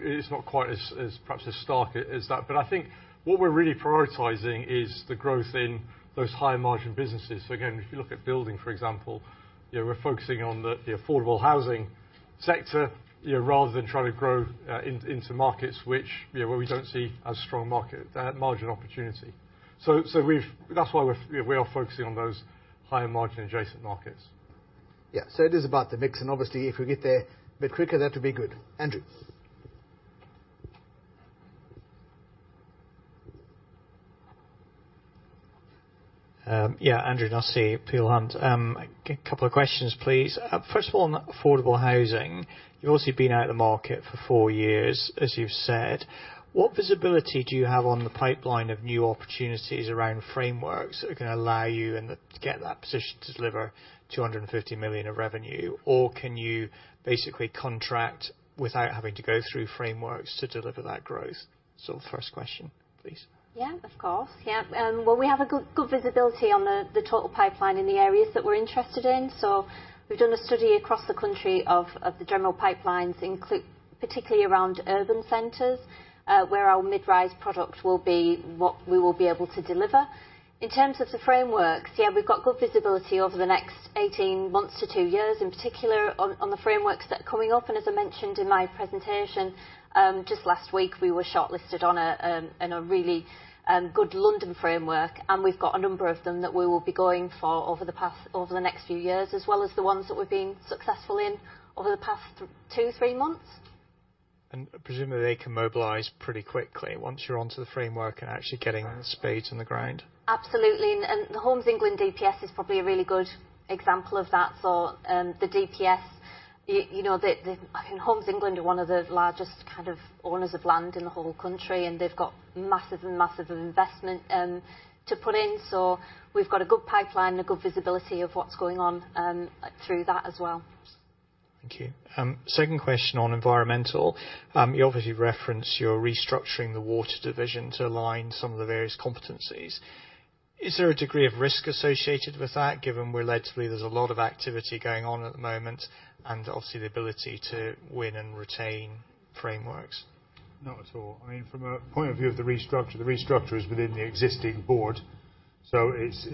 it's not quite as perhaps as stark as that. But I think what we're really prioritizing is the growth in those higher margin businesses. So again, if you look at building, for example, you know, we're focusing on the affordable housing sector, you know, rather than trying to grow into markets which, you know, where we don't see a strong market margin opportunity. So we've. That's why we're, you know, we are focusing on those higher margin adjacent markets. Yeah. So it is about the mix, and obviously, if we get there a bit quicker, that would be good. Andrew? Yeah, Andrew Nussey, Peel Hunt. A couple of questions, please. First of all, on affordable housing, you've obviously been out of the market for four years, as you've said. What visibility do you have on the pipeline of new opportunities around frameworks that are gonna allow you and get that position to deliver 250 million of revenue? Or can you basically contract without having to go through frameworks to deliver that growth? So first question, please. Yeah, of course. Yeah. Well, we have a good, good visibility on the total pipeline in the areas that we're interested in. So we've done a study across the country of the general pipelines, particularly around urban centers, where our mid-rise product will be what we will be able to deliver. In terms of the frameworks, yeah, we've got good visibility over the next 18 months to two years, in particular on the frameworks that are coming up. And as I mentioned in my presentation, just last week, we were shortlisted on a really good London framework, and we've got a number of them that we will be going for over the next few years, as well as the ones that we've been successful in over the past two, three months. Presumably, they can mobilize pretty quickly once you're onto the framework and actually getting the spades in the ground? Absolutely. And the Homes England DPS is probably a really good example of that. So, the DPS, you know, the, the, I mean, Homes England are one of the largest kind of owners of land in the whole country, and they've got massive and massive investment to put in. So we've got a good pipeline and a good visibility of what's going on through that as well. Thank you. Second question on environmental. You obviously reference you're restructuring the water division to align some of the various competencies. Is there a degree of risk associated with that, given where allegedly there's a lot of activity going on at the moment, and obviously, the ability to win and retain frameworks? Not at all. I mean, from a point of view of the restructure, the restructure is within the existing board, so it's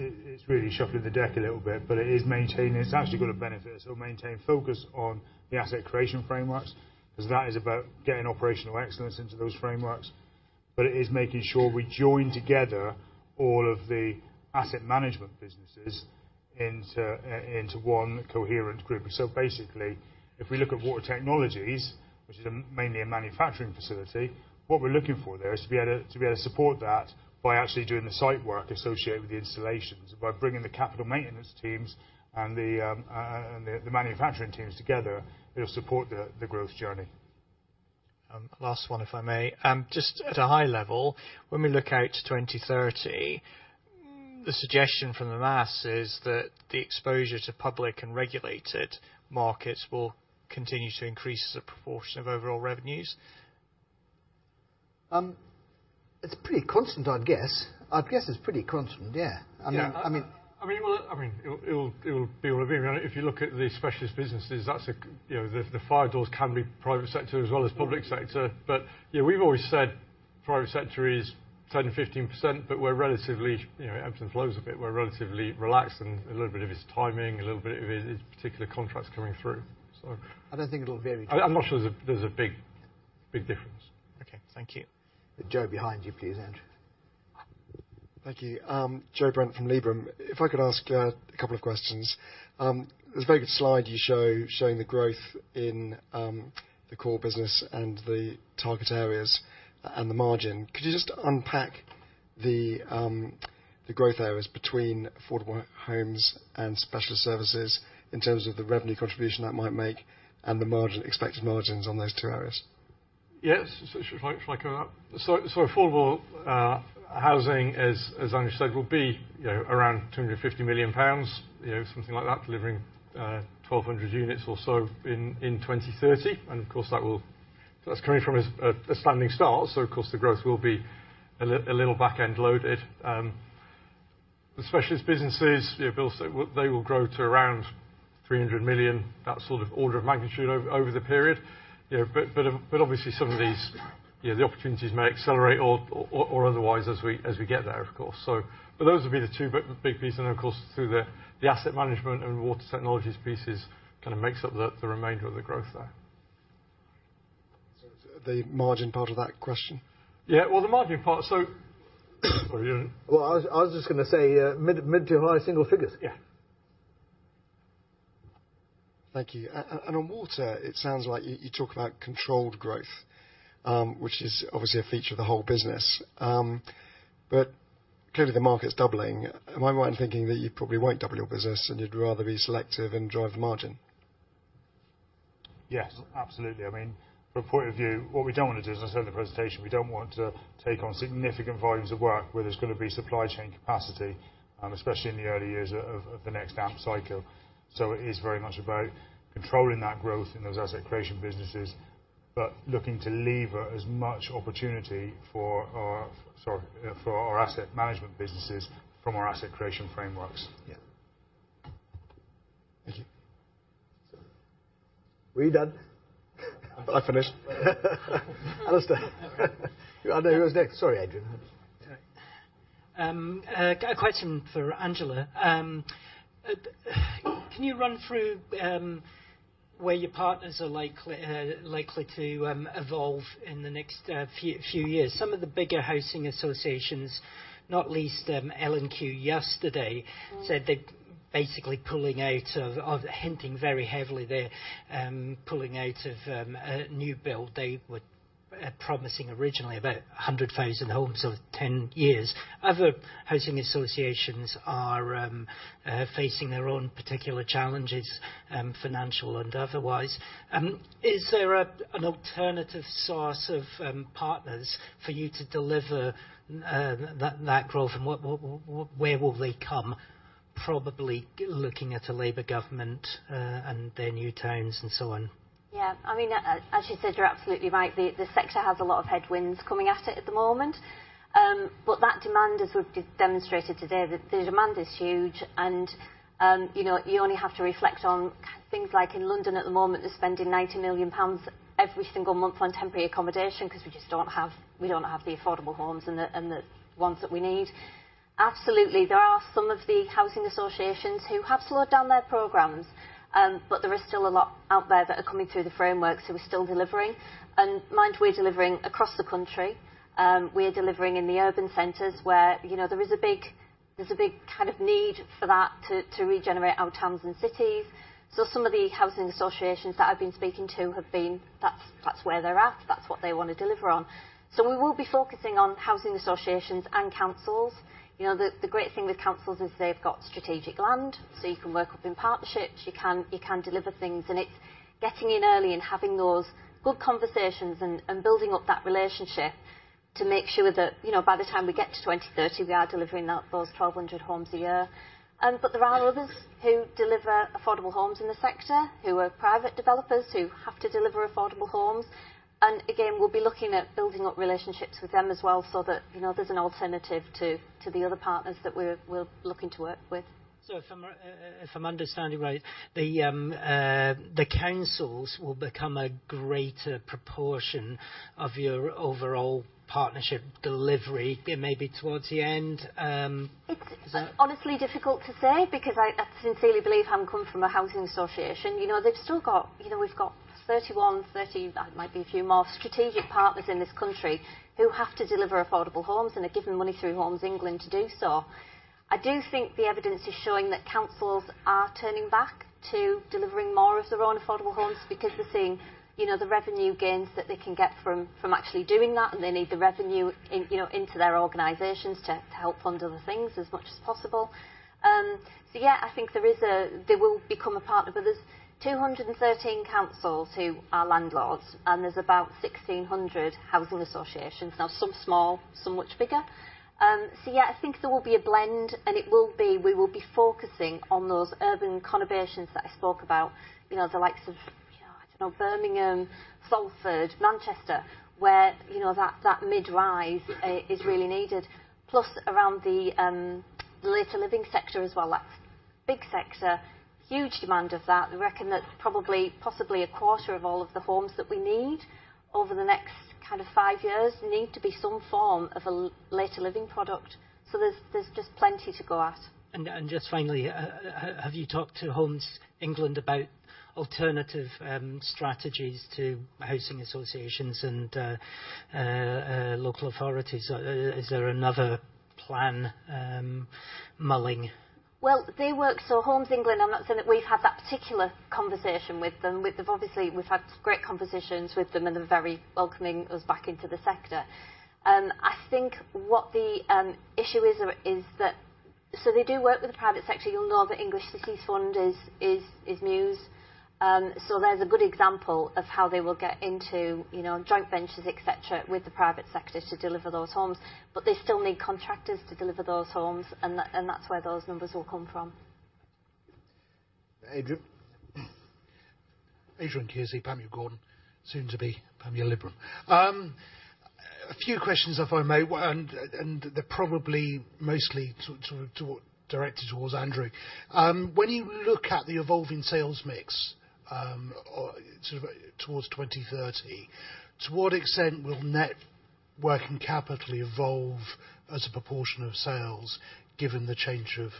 really shuffling the deck a little bit, but it is maintaining. It's actually got a benefit. So maintain focus on the asset creation frameworks, because that is about getting operational excellence into those frameworks. But it is making sure we join together all of the asset management businesses into one coherent group. So basically, if we look at water technologies, which is mainly a manufacturing facility, what we're looking for there is to be able to support that by actually doing the site work associated with the installations. By bringing the capital maintenance teams and the manufacturing teams together, it'll support the growth journey. Last one, if I may. Just at a high level, when we look out to 2030, the suggestion from the maths is that the exposure to public and regulated markets will continue to increase as a proportion of overall revenues. It's pretty constant, I'd guess. I'd guess it's pretty constant, yeah. Yeah. I mean, I mean. I mean, well, I mean, it'll, it'll be relevant. If you look at the specialist businesses, that's a, you know, the, the fire doors can be private sector as well as public sector. But yeah, we've always said private sector is 10%-15%, but we're relatively, you know, ebbs and flows a bit. We're relatively relaxed, and a little bit of it is timing, a little bit of it is particular contracts coming through, so. I don't think it'll vary. I'm not sure there's a big difference. Okay. Thank you. Joe, behind you, please, Andrew. Thank you. Joe Brent from Liberum. If I could ask, a couple of questions. There's a very good slide you show, showing the growth in, the core business and the target areas and the margin. Could you just unpack the, the growth areas between affordable homes and specialist services in terms of the revenue contribution that might make and the margin, expected margins on those two areas? Yes. Should I cover that? So affordable housing, as Andrew said, will be, you know, around 250 million pounds, you know, something like that, delivering 1,200 units or so in 2030. And of course, that will, that's coming from a standing start, so of course, the growth will be a little back-end loaded. The specialist businesses, yeah, Bill said, well, they will grow to around 300 million, that sort of order of magnitude over the period. You know, but obviously, some of these, yeah, the opportunities may accelerate or otherwise as we get there, of course, so. But those will be the two big, big pieces, and of course, through the asset management and water technologies pieces, kind of makes up the remainder of the growth there. So the margin part of that question? Yeah, well, the margin part, so, sorry. Well, I was just gonna say, mid to high single figures. Yeah. Thank you. On water, it sounds like you talk about controlled growth, which is obviously a feature of the whole business. Clearly, the market's doubling. Am I right in thinking that you probably won't double your business and you'd rather be selective and drive the margin? Yes, absolutely. I mean, from a point of view, what we don't wanna do, as I said in the presentation, we don't want to take on significant volumes of work where there's gonna be supply chain capacity, and especially in the early years of the next AMP cycle. So it is very much about controlling that growth in those asset creation businesses—but looking to lever as much opportunity for our, sorry, for our asset management businesses from our asset creation frameworks. Yeah. Thank you. Were you done? I finished. Alastair. I know who was next. Sorry, Adrian. Okay. A question for Angela. Can you run through where your partners are likely to evolve in the next few years? Some of the bigger housing associations, not least L&Q yesterday, said they're basically pulling out of, of hinting very heavily they're pulling out of a new build. They were promising originally about 100,000 homes over 10 years. Other housing associations are facing their own particular challenges, financial and otherwise. Is there an alternative source of partners for you to deliver that growth? And what, where will they come, probably looking at a Labour government and their new terms and so on? Yeah, I mean, as, as you said, you're absolutely right. The, the sector has a lot of headwinds coming at it at the moment. But that demand, as we've demonstrated today, the, the demand is huge, and, you know, you only have to reflect on things like in London at the moment, they're spending 90 million pounds every single month on temporary accommodation because we just don't have, we don't have the affordable homes and the, and the ones that we need. Absolutely, there are some of the housing associations who have slowed down their programs. But there is still a lot out there that are coming through the framework, so we're still delivering. And mind you, we're delivering across the country. We are delivering in the urban centers where, you know, there is a big, there's a big kind of need for that to, to regenerate our towns and cities. So some of the housing associations that I've been speaking to have been, that's, that's where they're at, that's what they want to deliver on. So we will be focusing on housing associations and councils. You know, the, the great thing with councils is they've got strategic land, so you can work up in partnerships, you can, you can deliver things, and it's getting in early and having those good conversations and, and building up that relationship to make sure that, you know, by the time we get to 2030, we are delivering out those 1,200 homes a year. But there are others who deliver affordable homes in the sector, who are private developers who have to deliver affordable homes. And again, we'll be looking at building up relationships with them as well so that, you know, there's an alternative to, to the other partners that we're, we're looking to work with. So if I'm understanding right, the councils will become a greater proportion of your overall partnership delivery, maybe towards the end It's honestly difficult to say because I sincerely believe, having come from a housing association, you know, they've still got, you know, we've got 31, 30, might be a few more strategic partners in this country who have to deliver affordable homes, and are given money through Homes England to do so. I do think the evidence is showing that councils are turning back to delivering more of their own affordable homes because they're seeing, you know, the revenue gains that they can get from actually doing that, and they need the revenue in, you know, into their organizations to help fund other things as much as possible. So yeah, I think there is a... They will become a partner, but there's 213 councils who are landlords, and there's about 1,600 housing associations. Now, some small, some much bigger. So yeah, I think there will be a blend, and it will be, we will be focusing on those urban conurbations that I spoke about, you know, the likes of, you know, I don't know, Birmingham, Salford, Manchester, where, you know, that, that midrise, is really needed. Plus, around the, later living sector as well. That's a big sector, huge demand of that. We reckon that probably, possibly a quarter of all of the homes that we need over the next kind of five years, need to be some form of a later living product. So there's, there's just plenty to go at. And just finally, have you talked to Homes England about alternative strategies to housing associations and local authorities? Is there another plan mulling? Well, they work, so Homes England, I'm not saying that we've had that particular conversation with them, with them obviously, we've had great conversations with them, and they're very welcoming us back into the sector. I think what the issue is, that so they do work with the private sector. You'll know the English Cities Fund is news. So there's a good example of how they will get into, you know, joint ventures, et cetera, with the private sector to deliver those homes, but they still need contractors to deliver those homes, and that, and that's where those numbers will come from. Adrian? Adrian Kearsey, Panmure Gordon, soon to be Panmure Liberum. A few questions, if I may, and they're probably mostly sort of toward, directed towards Andrew. When you look at the evolving sales mix, sort of towards 2030, to what extent will net working capital evolve as a proportion of sales, given the change of,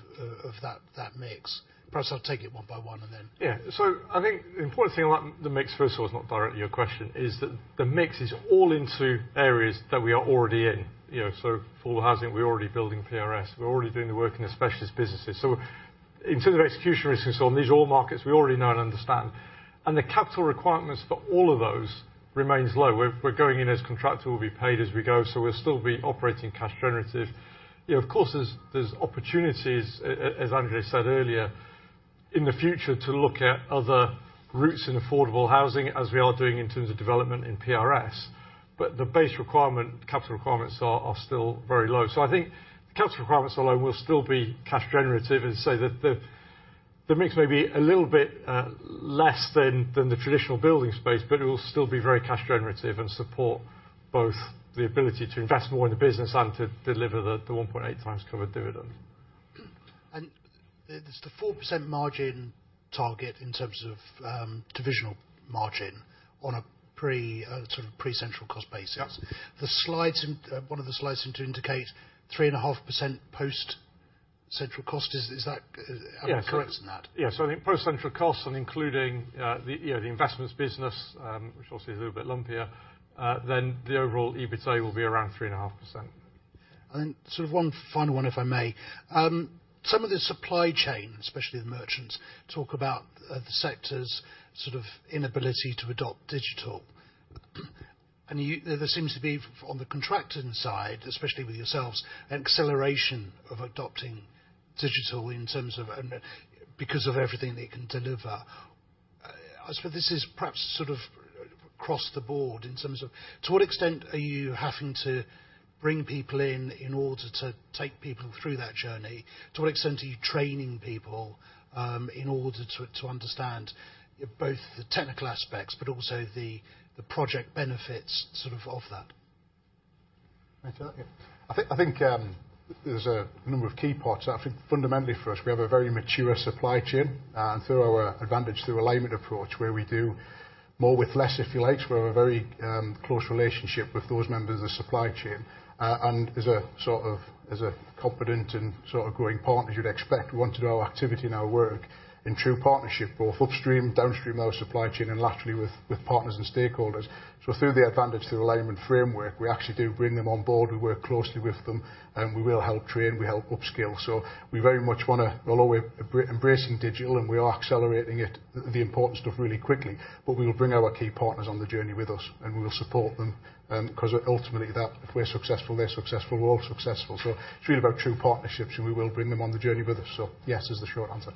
of that, that mix? Perhaps I'll take it one by one. Yeah. So I think the important thing about the mix first of all, it's not directly your question, is that the mix is all into areas that we are already in. You know, so for housing, we're already building PRS. We're already doing the work in the specialist businesses. So in terms of execution risk, and so on these are all markets we already know and understand, and the capital requirements for all of those remains low. We're going in as contractor, we'll be paid as we go, so we'll still be operating cash generative. Yeah, of course, there's opportunities, as Andrew said earlier, in the future, to look at other routes in affordable housing as we are doing in terms of development in PRS, but the base requirement, capital requirements are still very low. I think the capital requirements alone will still be cash generative and say that the mix may be a little bit less than the traditional building space, but it will still be very cash generative and support both the ability to invest more in the business and to deliver the 1.8 times covered dividend. Does the 4% margin target in terms of divisional margin on a pre- sort of pre-central cost basis- Yep. One of the slides seem to indicate 3.5% post central cost. Is, is that- Yeah. Am I correct in that? Yeah. So I think post central costs and including, you know, the investments business, which obviously is a little bit lumpier, then the overall EBITDA will be around 3.5%. And then sort of one final one, if I may. Some of the supply chain, especially the merchants, talk about the sector's sort of inability to adopt digital. And you— There seems to be, on the contracting side, especially with yourselves, an acceleration of adopting digital in terms of because of everything they can deliver. I suppose this is perhaps sort of across the board in terms of to what extent are you having to bring people in, in order to take people through that journey? To what extent are you training people in order to understand both the technical aspects but also the project benefits sort of of that? Right. Yeah. I think, I think, there's a number of key parts. I think fundamentally for us, we have a very mature supply chain, and through our Advantage through Alignment approach, where we do more with less, if you like. We have a very, close relationship with those members of the supply chain. And as a sort of, as a competent and sort of growing partner, you'd expect we want to do our activity and our work in true partnership, both upstream, downstream of our supply chain and laterally with, with partners and stakeholders. So through the Advantage through Alignment framework, we actually do bring them on board. We work closely with them, and we will help train, we help upskill. So we very much wanna... We're always embracing digital, and we are accelerating it, the important stuff really quickly, but we will bring our key partners on the journey with us, and we will support them. 'Cause ultimately, that, if we're successful, they're successful, we're all successful. So it's really about true partnerships, and we will bring them on the journey with us. So yes is the short answer.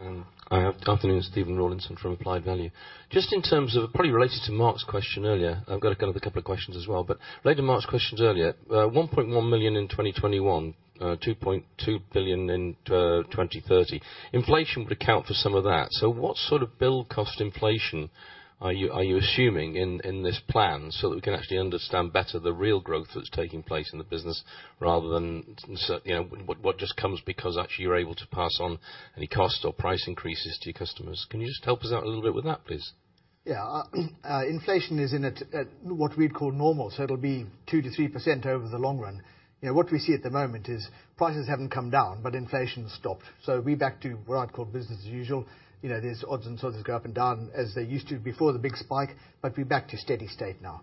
Thank you. Hi, afternoon, Stephen Rawlinson from Applied Value. Just in terms of, probably related to Mark's question earlier, I've got a couple of questions as well. But related to Mark's questions earlier, 1.1 million in 2021, 2.2 billion in 2030. Inflation would account for some of that. So what sort of bill cost inflation are you assuming in this plan so that we can actually understand better the real growth that's taking place in the business, rather than, so, you know, what just comes because actually you're able to pass on any costs or price increases to your customers? Can you just help us out a little bit with that, please? Yeah. Inflation is in at what we'd call normal, so it'll be 2%-3% over the long run. You know, what we see at the moment is prices haven't come down, but inflation's stopped. So we're back to what I'd call business as usual. You know, there's odds and sods go up and down as they used to before the big spike, but we're back to a steady state now.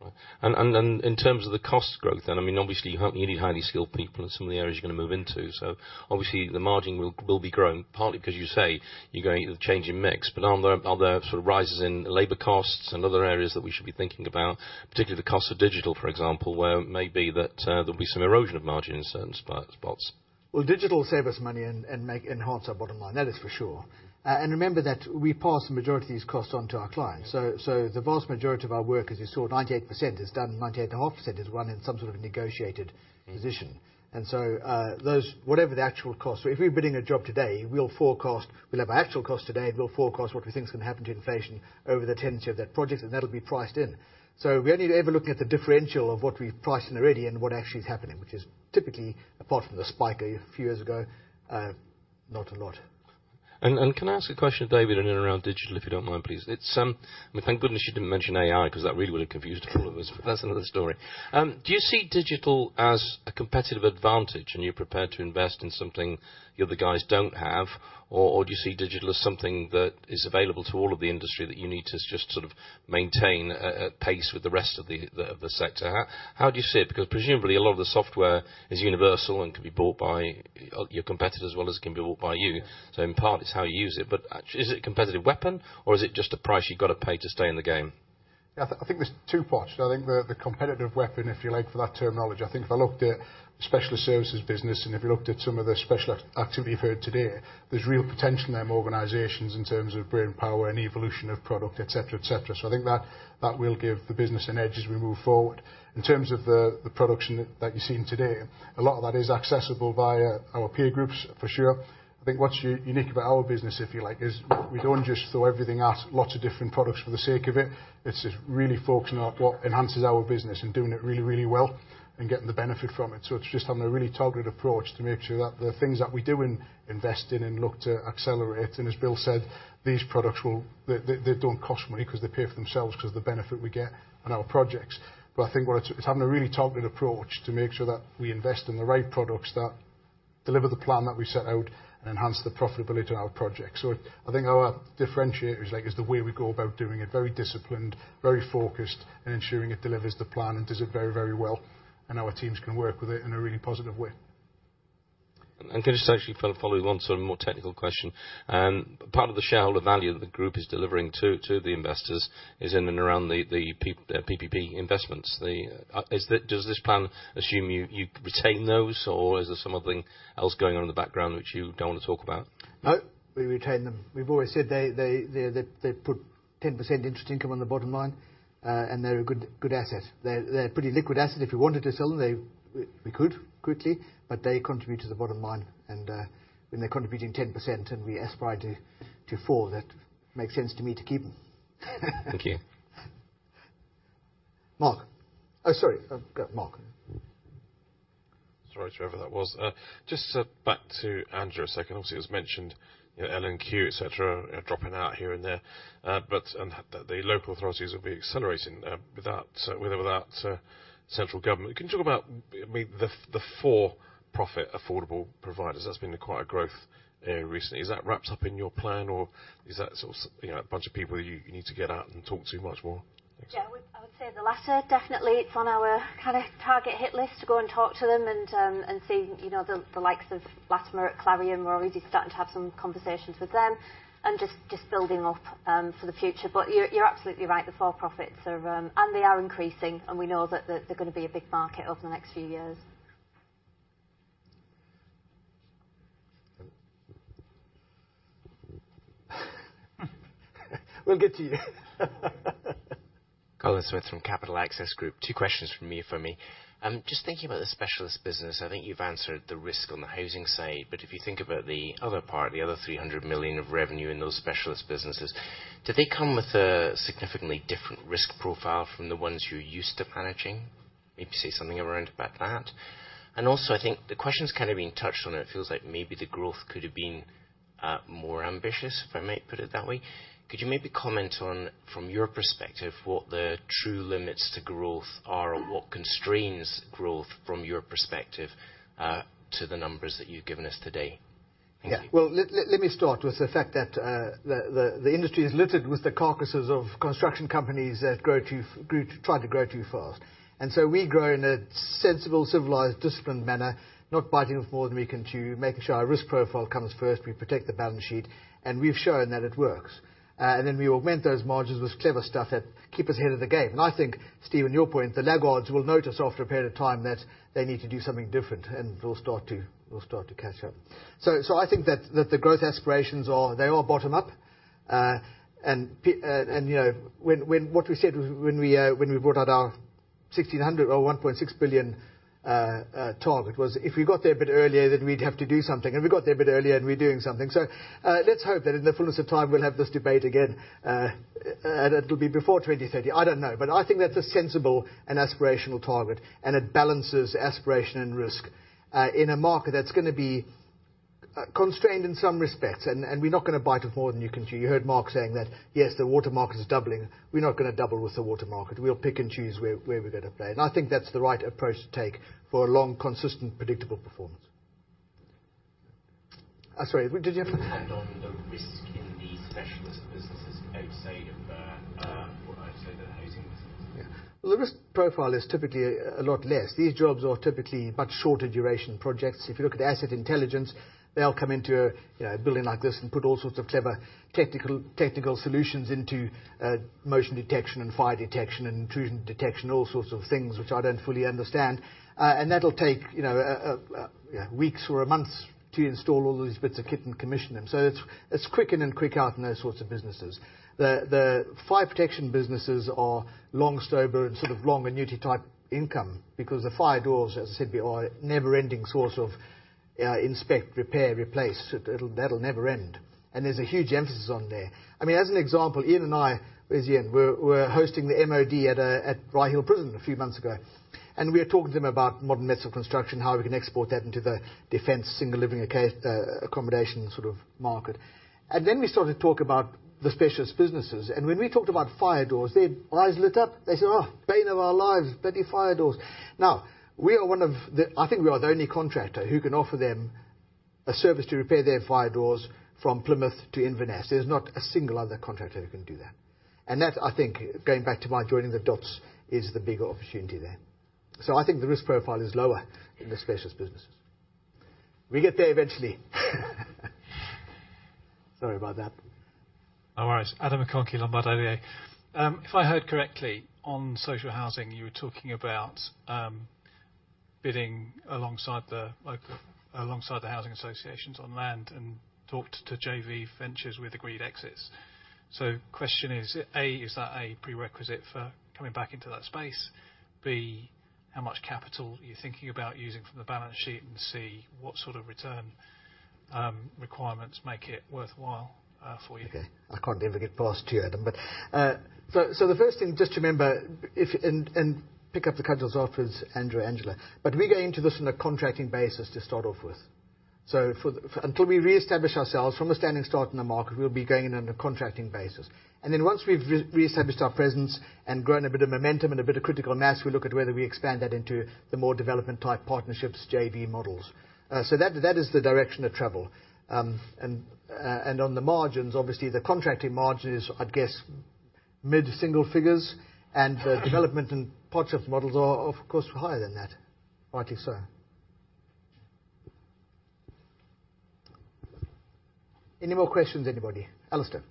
Right. And in terms of the cost growth, then, I mean, obviously, you need highly skilled people in some of the areas you're gonna move into. So obviously, the margin will be growing, partly because, as you say, you're going to change in mix. But are there sort of rises in labor costs and other areas that we should be thinking about, particularly the cost of digital, for example, where it may be that there'll be some erosion of margin in certain spots? Well, digital will save us money and enhance our bottom line, that is for sure. And remember that we pass the majority of these costs on to our clients. So the vast majority of our work, as you saw, 98% is done, 98.5% is won in some sort of a negotiated position. And so, those, whatever the actual cost, if we're bidding a job today, we'll forecast. We'll have our actual cost today, and we'll forecast what we think is gonna happen to inflation over the tenancy of that project, and that'll be priced in. So we're only ever looking at the differential of what we've priced in already and what actually is happening, which is typically, apart from the spike a few years ago, not a lot. And, can I ask a question, David, in and around digital, if you don't mind, please? It's, I mean, thank goodness you didn't mention AI, 'cause that really, really confused all of us. That's another story. Do you see digital as a competitive advantage, and you're prepared to invest in something the other guys don't have? Or do you see digital as something that is available to all of the industry, that you need to just sort of maintain a pace with the rest of the sector? How do you see it? Because presumably, a lot of the software is universal and can be bought by your competitors as well as it can be bought by you. So in part, it's how you use it. But is it a competitive weapon, or is it just a price you've got to pay to stay in the game? Yeah, I think there's two parts. I think the competitive weapon, if you like, for that terminology, I think if I looked at specialist services business, and if you looked at some of the special activity you've heard today, there's real potential in them organizations in terms of brainpower and the evolution of product, et cetera, et cetera. So I think that will give the business an edge as we move forward. In terms of the production that you're seeing today, a lot of that is accessible via our peer groups, for sure. I think what's unique about our business, if you like, is we don't just throw everything at lots of different products for the sake of it. It's just really focusing on what enhances our business and doing it really, really well and getting the benefit from it. So it's just on a really targeted approach to make sure that the things that we do invest in and look to accelerate, and as Bill said, these products will. They don't cost money because they pay for themselves, because of the benefit we get on our projects. But I think what it's having a really targeted approach to make sure that we invest in the right products that deliver the plan that we set out and enhance the profitability to our projects. So I think our differentiator is, like, the way we go about doing it, very disciplined, very focused, and ensuring it delivers the plan and does it very, very well, and our teams can work with it in a really positive way. Can I just actually follow you on to a more technical question? Part of the shareholder value that the group is delivering to the investors is in and around the PPP investments. Is it—does this plan assume you retain those, or is there something else going on in the background which you don't want to talk about? No, we retain them. We've always said they put 10% interest income on the bottom line, and they're a good asset. They're a pretty liquid asset. If we wanted to sell them, we could quickly, but they contribute to the bottom line. And when they're contributing 10%, and we aspire to 4%, that makes sense to me to keep them. Thank you. Mark? Oh, sorry, go, Mark. Sorry, whoever that was. Just, back to Andrew a second. Obviously, it was mentioned, you know, L&Q, et cetera, are dropping out here and there. But, and the, the local authorities will be accelerating, without, with or without, central government. Can you talk about, I mean, the for-profit affordable providers? That's been quite a growth area recently. Is that wrapped up in your plan, or is that sort of, you know, a bunch of people you need to get out and talk to much more? Thanks. Yeah, I would, I would say the latter, definitely. It's on our kind of target hit list to go and talk to them and, and see, you know, the, the likes of Latimer at Clarion. We're already starting to have some conversations with them and just, just building up, for the future. But you're, you're absolutely right, the for-profits are... And they are increasing, and we know that they're, they're gonna be a big market over the next few years. We'll get to you. Colin Smith from Capital Access Group. Two questions from me, for me. Just thinking about the specialist business, I think you've answered the risk on the housing side, but if you think about the other part, the other 300 million of revenue in those specialist businesses, do they come with a significantly different risk profile from the ones you're used to managing? Maybe say something around about that. And also, I think the question's kind of been touched on, it feels like maybe the growth could have been more ambitious, if I may put it that way. Could you maybe comment on, from your perspective, what the true limits to growth are, or what constrains growth from your perspective, to the numbers that you've given us today? Thank you. Yeah. Well, let me start with the fact that the industry is littered with the carcasses of construction companies that tried to grow too fast. And so we grow in a sensible, civilized, disciplined manner, not biting off more than we can chew, making sure our risk profile comes first. We protect the balance sheet, and we've shown that it works. And then we augment those margins with clever stuff that keeps us ahead of the game. And I think, Steve, in your point, the laggards will notice after a period of time that they need to do something different, and they'll start to catch up. So I think that the growth aspirations are, they are bottom-up. And, you know, when, when... What we said when we, when we brought out our 1,600 or 1.6 billion target was, if we got there a bit earlier, then we'd have to do something. And we got there a bit earlier, and we're doing something. So, let's hope that in the fullness of time, we'll have this debate again, and it'll be before 2030. I don't know, but I think that's a sensible and aspirational target, and it balances aspiration and risk, in a market that's gonna be constrained in some respects, and we're not gonna bite off more than you can chew. You heard Mark saying that, yes, the water market is doubling. We're not gonna double with the water market. We'll pick and choose where, where we're gonna play, and I think that's the right approach to take for a long, consistent, predictable performance. Sorry, did you have. Depend on the risk in the specialist businesses outside of the, what I'd say, the housing business? Yeah. Well, the risk profile is typically a lot less. These jobs are typically much shorter duration projects. If you look at asset intelligence, they'll come into a, you know, a building like this and put all sorts of clever technical solutions into motion detection and fire detection and intrusion detection, all sorts of things, which I don't fully understand. And that'll take, you know, weeks or months to install all these bits of kit and commission them. So it's quick in and quick out in those sorts of businesses. The fire protection businesses are long, stubborn, sort of long annuity-type income because the fire doors, as I said before, are a never-ending source of inspect, repair, replace. It'll never end, and there's a huge emphasis on there. I mean, as an example, Ian and I, where's Ian? We were hosting the MOD at HMP Rye Hill a few months ago, and we were talking to them about modern methods of construction, how we can export that into the defense single living accommodation sort of market. And then we started to talk about the specialist businesses, and when we talked about fire doors, their eyes lit up. They said, "Oh, bane of our lives, bloody fire doors." Now, we are one of the... I think we are the only contractor who can offer them a service to repair their fire doors from Plymouth to Inverness. There's not a single other contractor who can do that. And that, I think, going back to my joining the dots, is the bigger opportunity there. So I think the risk profile is lower in the specialist businesses. We'll get there eventually. Sorry about that. No worries. Adam McConkey, Lombard Odier. If I heard correctly, on social housing, you were talking about, bidding alongside the local, alongside the housing associations on land and talked to JV ventures with agreed exits. So question is, A, is that a prerequisite for coming back into that space? B, how much capital are you thinking about using from the balance sheet? And C, what sort of return, requirements make it worthwhile, for you? Okay. I can't ever get past you, Adam. But, so the first thing, just remember, if, and, and pick up the cudgels off is Andrew, Angela. But we go into this on a contracting basis to start off with. So, until we reestablish ourselves from a standing start in the market, we'll be going in on a contracting basis. And then once we've reestablished our presence and grown a bit of momentum and a bit of critical mass, we'll look at whether we expand that into the more development-type partnerships, JV models. So that is the direction of travel. And on the margins, obviously, the contracting margin is, I'd guess, mid-single figures, and the development and partnership models are, of course, higher than that. Rightly so. Any more questions, anybody? Alastair.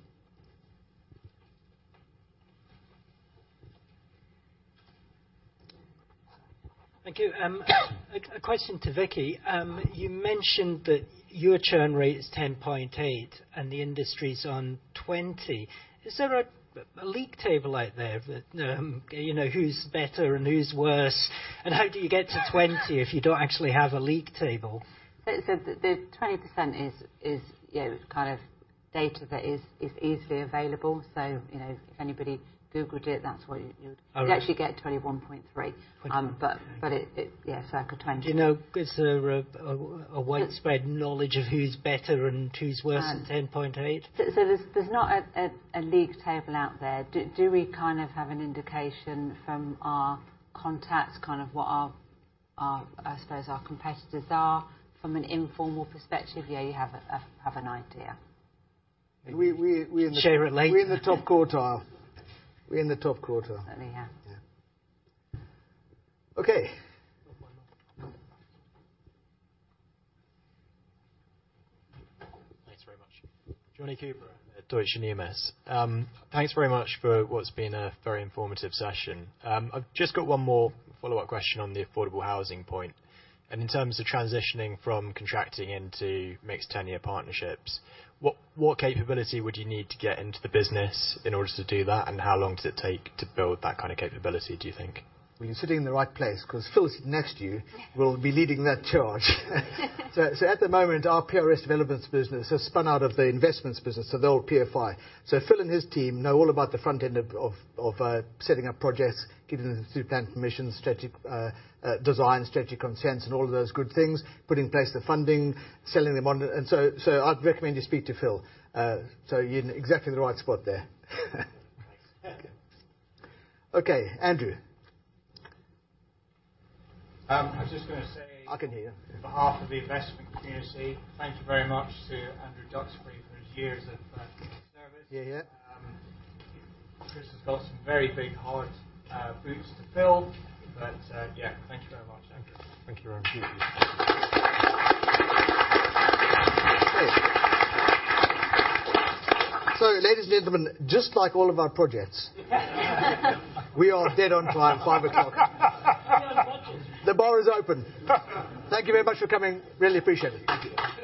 Thank you. A question to Vikki. You mentioned that your churn rate is 10.8 and the industry's on 20. Is there a league table out there that, you know, who's better and who's worse? And how do you get to 20 if you don't actually have a league table? So the 20% is, yeah, kind of data that is easily available, so, you know, if anybody Googled it, that's what you, you'd actually get 21.3. But it, yeah, circle 20. Do you know, is there a widespread knowledge of who's better and who's worse than 10.8? So there's not a league table out there. Do we kind of have an indication from our contacts, kind of what our competitors are from an informal perspective? Yeah, you have an idea. Share it later. We're in the top quartile. We're in the top quartile. Certainly, yeah. Yeah. Okay. Thanks very much. Jonny Coubrough at Deutsche Numis. Thanks very much for what's been a very informative session. I've just got one more follow-up question on the affordable housing point, and in terms of transitioning from contracting into mixed tenure partnerships, what, what capability would you need to get into the business in order to do that? And how long does it take to build that kind of capability, do you think? Well, you're sitting in the right place 'cause Phil sitting next to you will be leading that charge. So at the moment, our PRS developments business has spun out of the investments business, so the old PFI. So Phil and his team know all about the front end of setting up projects, getting them through planning permissions, strategic design, strategic consents, and all of those good things, put in place the funding, selling them on. And so I'd recommend you speak to Phil. So you're in exactly the right spot there. Thanks. Okay, Andrew. I was just gonna say. I can hear you. On behalf of the investment community, thank you very much to Andrew Duxbury for his years of service. Hear, hear. Chris has got some very big, hard boots to fill, but yeah. Thank you very much, Andrew. Thank you very much. Ladies and gentlemen, just like all of our projects, we are dead on time, 5:00 P.M. The bar is open. Thank you very much for coming. Really appreciate it. Thank you.